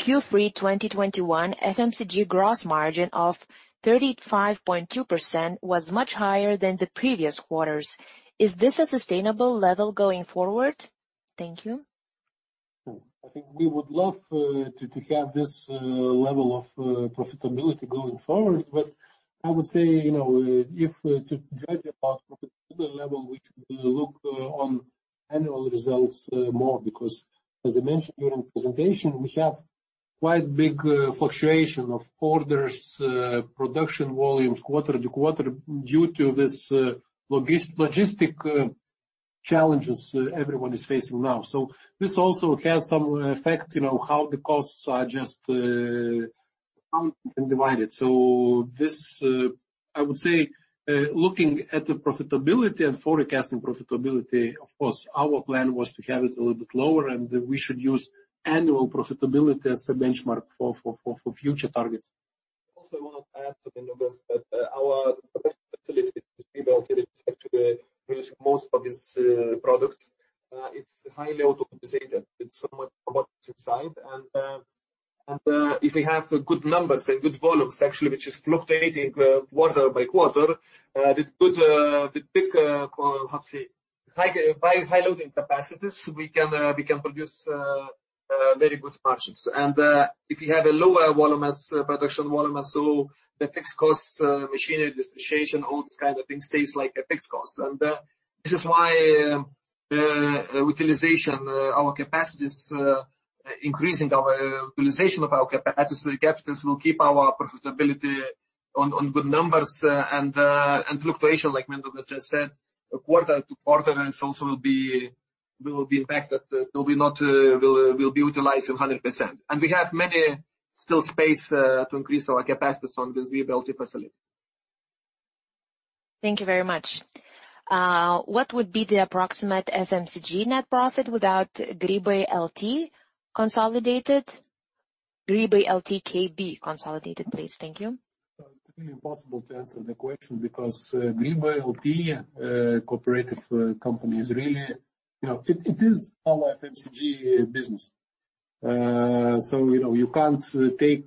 Q3 2021, FMCG gross margin of 35.2% was much higher than the previous quarters. Is this a sustainable level going forward? Thank you. I think we would love to have this level of profitability going forward. I would say, you know, if to judge about profitability level, we should look on annual results more. Because as I mentioned during presentation, we have quite big fluctuation of orders, production volumes quarter to quarter due to this logistic challenges everyone is facing now. This also has some effect, you know, how the costs are just counted and divided. This I would say looking at the profitability and forecasting profitability, of course our plan was to have it a little bit lower, and we should use annual profitability as a benchmark for future targets. also want to add to Mindaugas that our production facility, Grybautė, which actually produce most of these products, it's highly automated. It's so many robots inside. If we have good numbers and good volumes actually, which is fluctuating quarter by quarter, by high loading capacities, we can produce very good margins. If we have lower volumes, production volumes, so the fixed costs, machinery depreciation, all these kind of things stays like a fixed cost. This is why increasing our utilization of our capacities will keep our profitability on good numbers. Fluctuation, like Mindaugas just said, quarter to quarter, and it also will be impacted. It will not be utilized 100%. We have many still space to increase our capacities on this Grybautė facility. Thank you very much. What would be the approximate FMCG net profit without Grybai LT consolidated? Grybai LT KB consolidated, please. Thank you. It's really impossible to answer the question because Grybai LT cooperative company is really you know. It is our FMCG business. You know, you can't take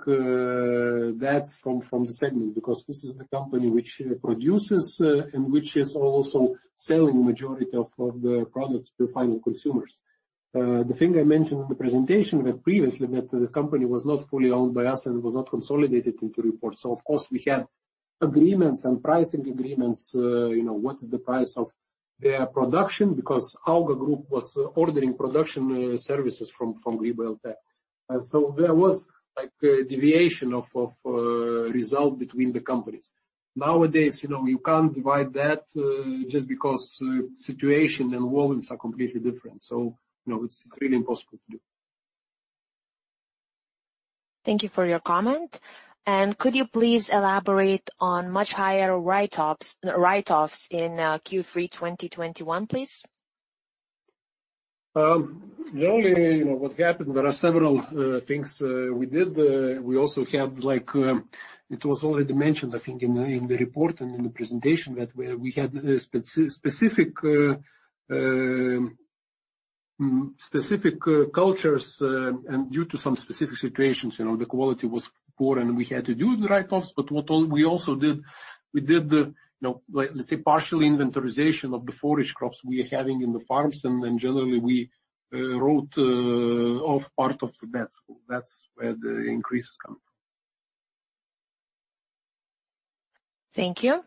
that from the segment because this is the company which produces and which is also selling majority of the products to final consumers. The thing I mentioned in the presentation previously that the company was not fully owned by us and was not consolidated into report. Of course we had agreements and pricing agreements, you know, what is the price of their production because AUGA group was ordering production services from Grybai LT. There was like a deviation of result between the companies. Nowadays, you know, you can't divide that just because situation and volumes are completely different. You know, it's really impossible to do. Thank you for your comment. Could you please elaborate on much higher write-offs in Q3 2021, please? Generally, you know, what happened, there are several things we did. We also had, like, it was already mentioned, I think in the report and in the presentation that we had specific cultures. Due to some specific situations, you know, the quality was poor, and we had to do the write-offs. What all we also did, we did the, you know, like, let's say, partial inventory of the forage crops we are having in the farms. Generally we wrote off part of that. That's where the increases come from. Thank you.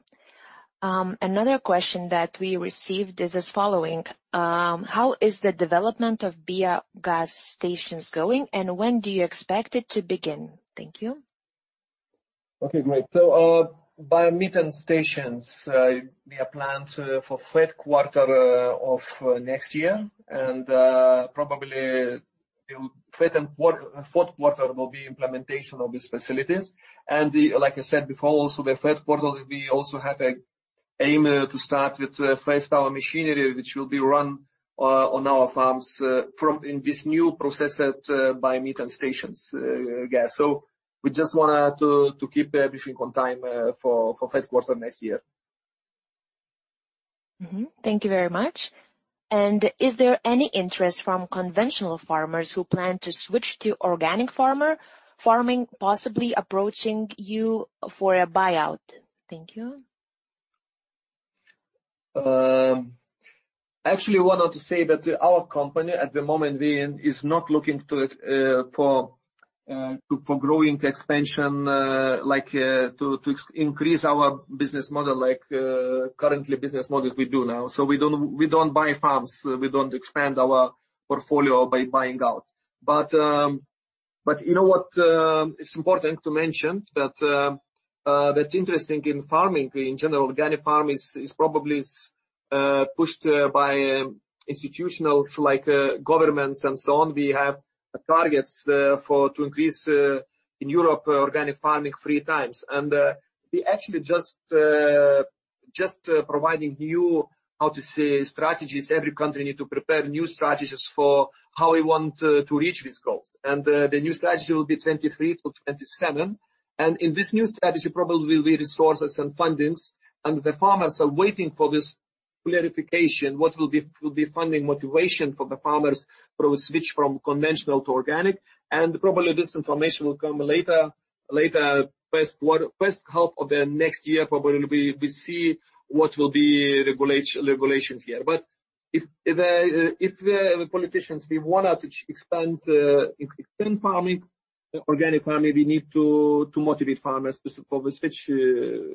Another question that we received is as following. How is the development of biogas stations going, and when do you expect it to begin? Thank you. Okay, great. Biomethane stations, we are planned for Q3 of next year. Probably the third and Q4 will be implementation of these facilities. Like I said before, also the Q3, we also have an aim to start with first our machinery, which will be run on our farms from in this new process at biomethane stations, yeah. We just wanna to keep everything on time for Q3 next year. Thank you very much. Is there any interest from conventional farmers who plan to switch to organic farming, possibly approaching you for a buyout? Thank you. Actually wanted to say that our company at the moment is not looking for growing expansion like to increase our business model like currently business models we do now. We don't buy farms. We don't expand our portfolio by buying out. You know what is important to mention that that interesting in farming in general, organic farming is probably pushed by institutions like governments and so on. We have targets to increase in Europe organic farming three times. We actually just providing new, how to say, strategies. Every country need to prepare new strategies for how we want to reach these goals. The new strategy will be 2023 to 2027. In this new strategy probably will be resources and fundings. The farmers are waiting for this clarification, what will be funding motivation for the farmers for switch from conventional to organic. Probably this information will come later first half of the next year. Probably we see what will be regulations here. If the politicians wanna to expand farming, organic farming, we need to motivate farmers to switch to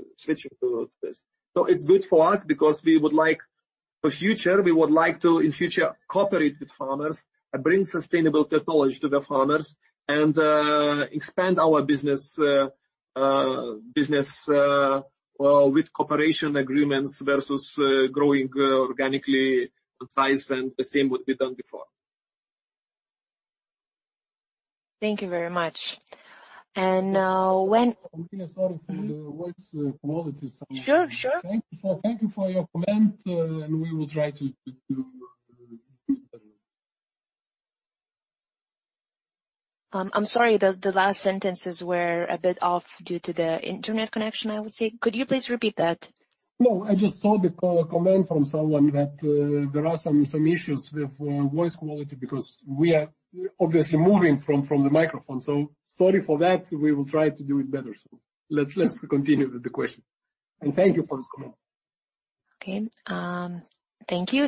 this. It's good for us because we would like to in future cooperate with farmers and bring sustainable technology to the farmers and expand our business with cooperation agreements versus growing organically in size and the same what we've done before. Thank you very much. When- I'm really sorry for the voice quality sound. Sure, sure. Thank you for your comment, and we will try to do better. I'm sorry, the last sentences were a bit off due to the internet connection, I would say. Could you please repeat that? No, I just saw the comment from someone that there are some issues with voice quality because we are obviously moving from the microphone. Sorry for that. We will try to do it better. Let's continue with the question. Thank you for this comment. Okay. Thank you.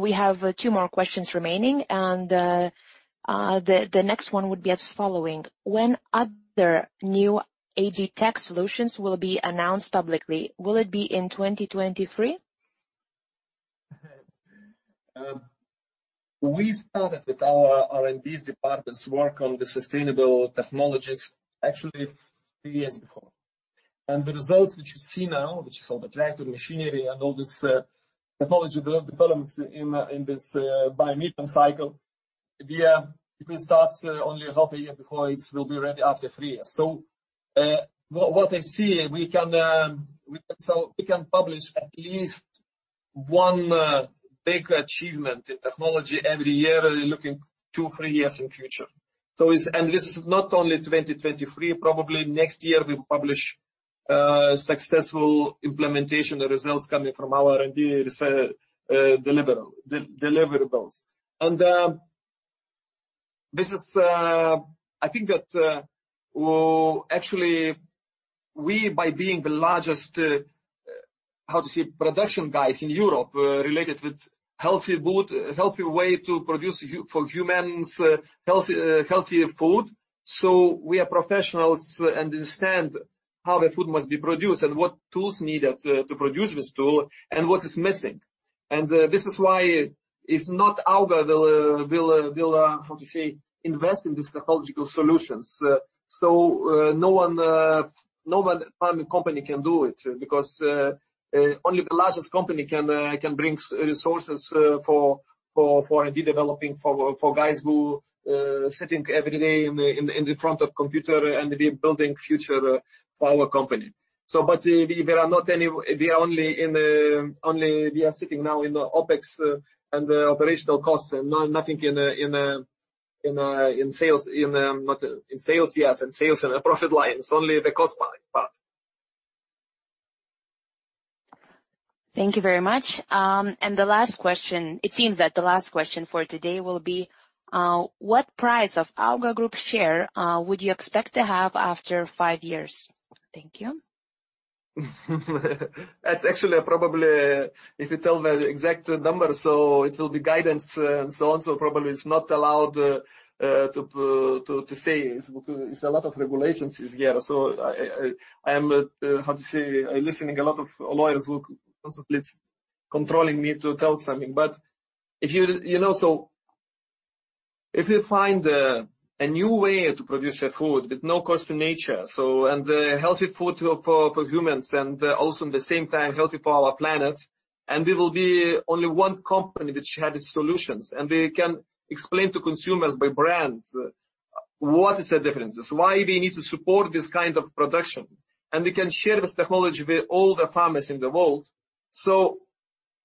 We have two more questions remaining. The next one would be as follows. When other new AgTech solutions will be announced publicly? Will it be in 2023? We started with our R&D department's work on the sustainable technologies actually three years before. The results which you see now, which is all the tractor machinery and all this, technology developments in this biomethane cycle, we can start only half a year before it will be ready after three years. What I see we can sell, we can publish at least one big achievement in technology every year looking two, three years in future. It's not only 2023. Probably next year we publish successful implementation results coming from our R&D deliverables. This is. I think that actually we by being the largest production guys in Europe related with healthy food healthy way to produce for humans healthier food. We are professionals and understand how the food must be produced and what tools needed to produce this food and what is missing. This is why AUGA will invest in this technological solutions. No one farming company can do it because only the largest company can bring resources for R&D developing for guys who sitting every day in the front of computer and be building future for our company. There are not any. We are only sitting now in the OPEX and the operational costs and nothing in sales and profit lines, only the cost path. Thank you very much. The last question. It seems that the last question for today will be, what price of AUGA group share would you expect to have after five years? Thank you. That's actually probably if you tell the exact number, so it will be guidance and so on, so probably it's not allowed to say. It's a lot of regulations here. I am listening to a lot of lawyers who constantly controlling me to tell something. You know, if you find a new way to produce a food with no cost to nature, and a healthy food for humans and also in the same time healthy for our planet, and we will be only one company which has solutions, and we can explain to consumers by brands what is the differences, why we need to support this kind of production. We can share this technology with all the farmers in the world.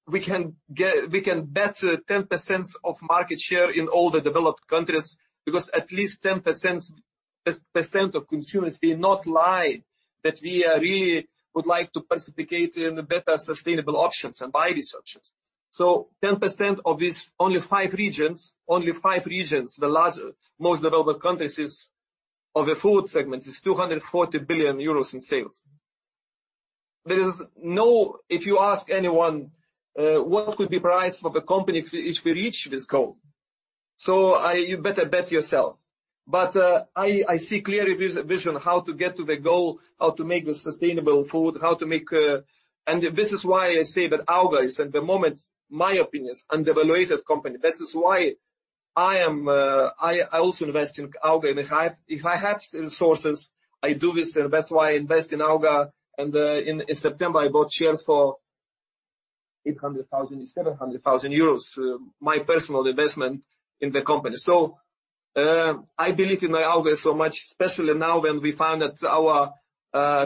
We can bet 10% of market share in all the developed countries because at least 10% of consumers will not lie that we really would like to participate in better sustainable options and buy these options. 10% of these only five regions, the large, most developed countries is of the food segment 240 billion euros in sales. There is no. If you ask anyone what could be price for the company if we reach this goal. I. You better bet yourself. I see clear vision how to get to the goal, how to make the sustainable food, how to make. This is why I say that AUGA is, at the moment, in my opinion, an undervalued company. This is why I also invest in AUGA. If I have resources, I do this. That's why I invest in AUGA. In September, I bought shares for 700,000 euros, my personal investment in the company. I believe in AUGA so much, especially now when we found that our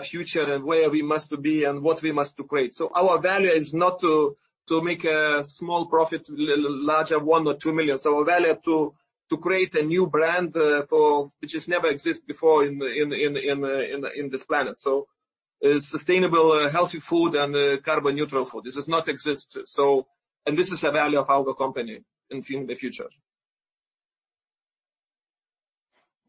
future and where we must be and what we must create. Our value is not to make a small profit, larger 1 million or 2 million. Our value to create a new brand, for which has never exist before in this planet, sustainable, healthy food and carbon neutral food. This does not exist. This is the value of the AUGA group in the future.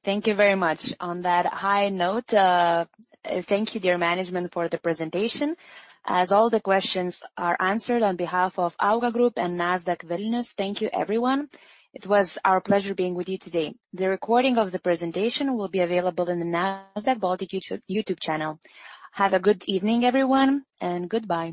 Thank you very much. On that high note, thank you, dear management, for the presentation. As all the questions are answered, on behalf of AUGA Group and Nasdaq Vilnius, thank you, everyone. It was our pleasure being with you today. The recording of the presentation will be available in the Nasdaq Baltic YouTube channel. Have a good evening, everyone, and goodbye.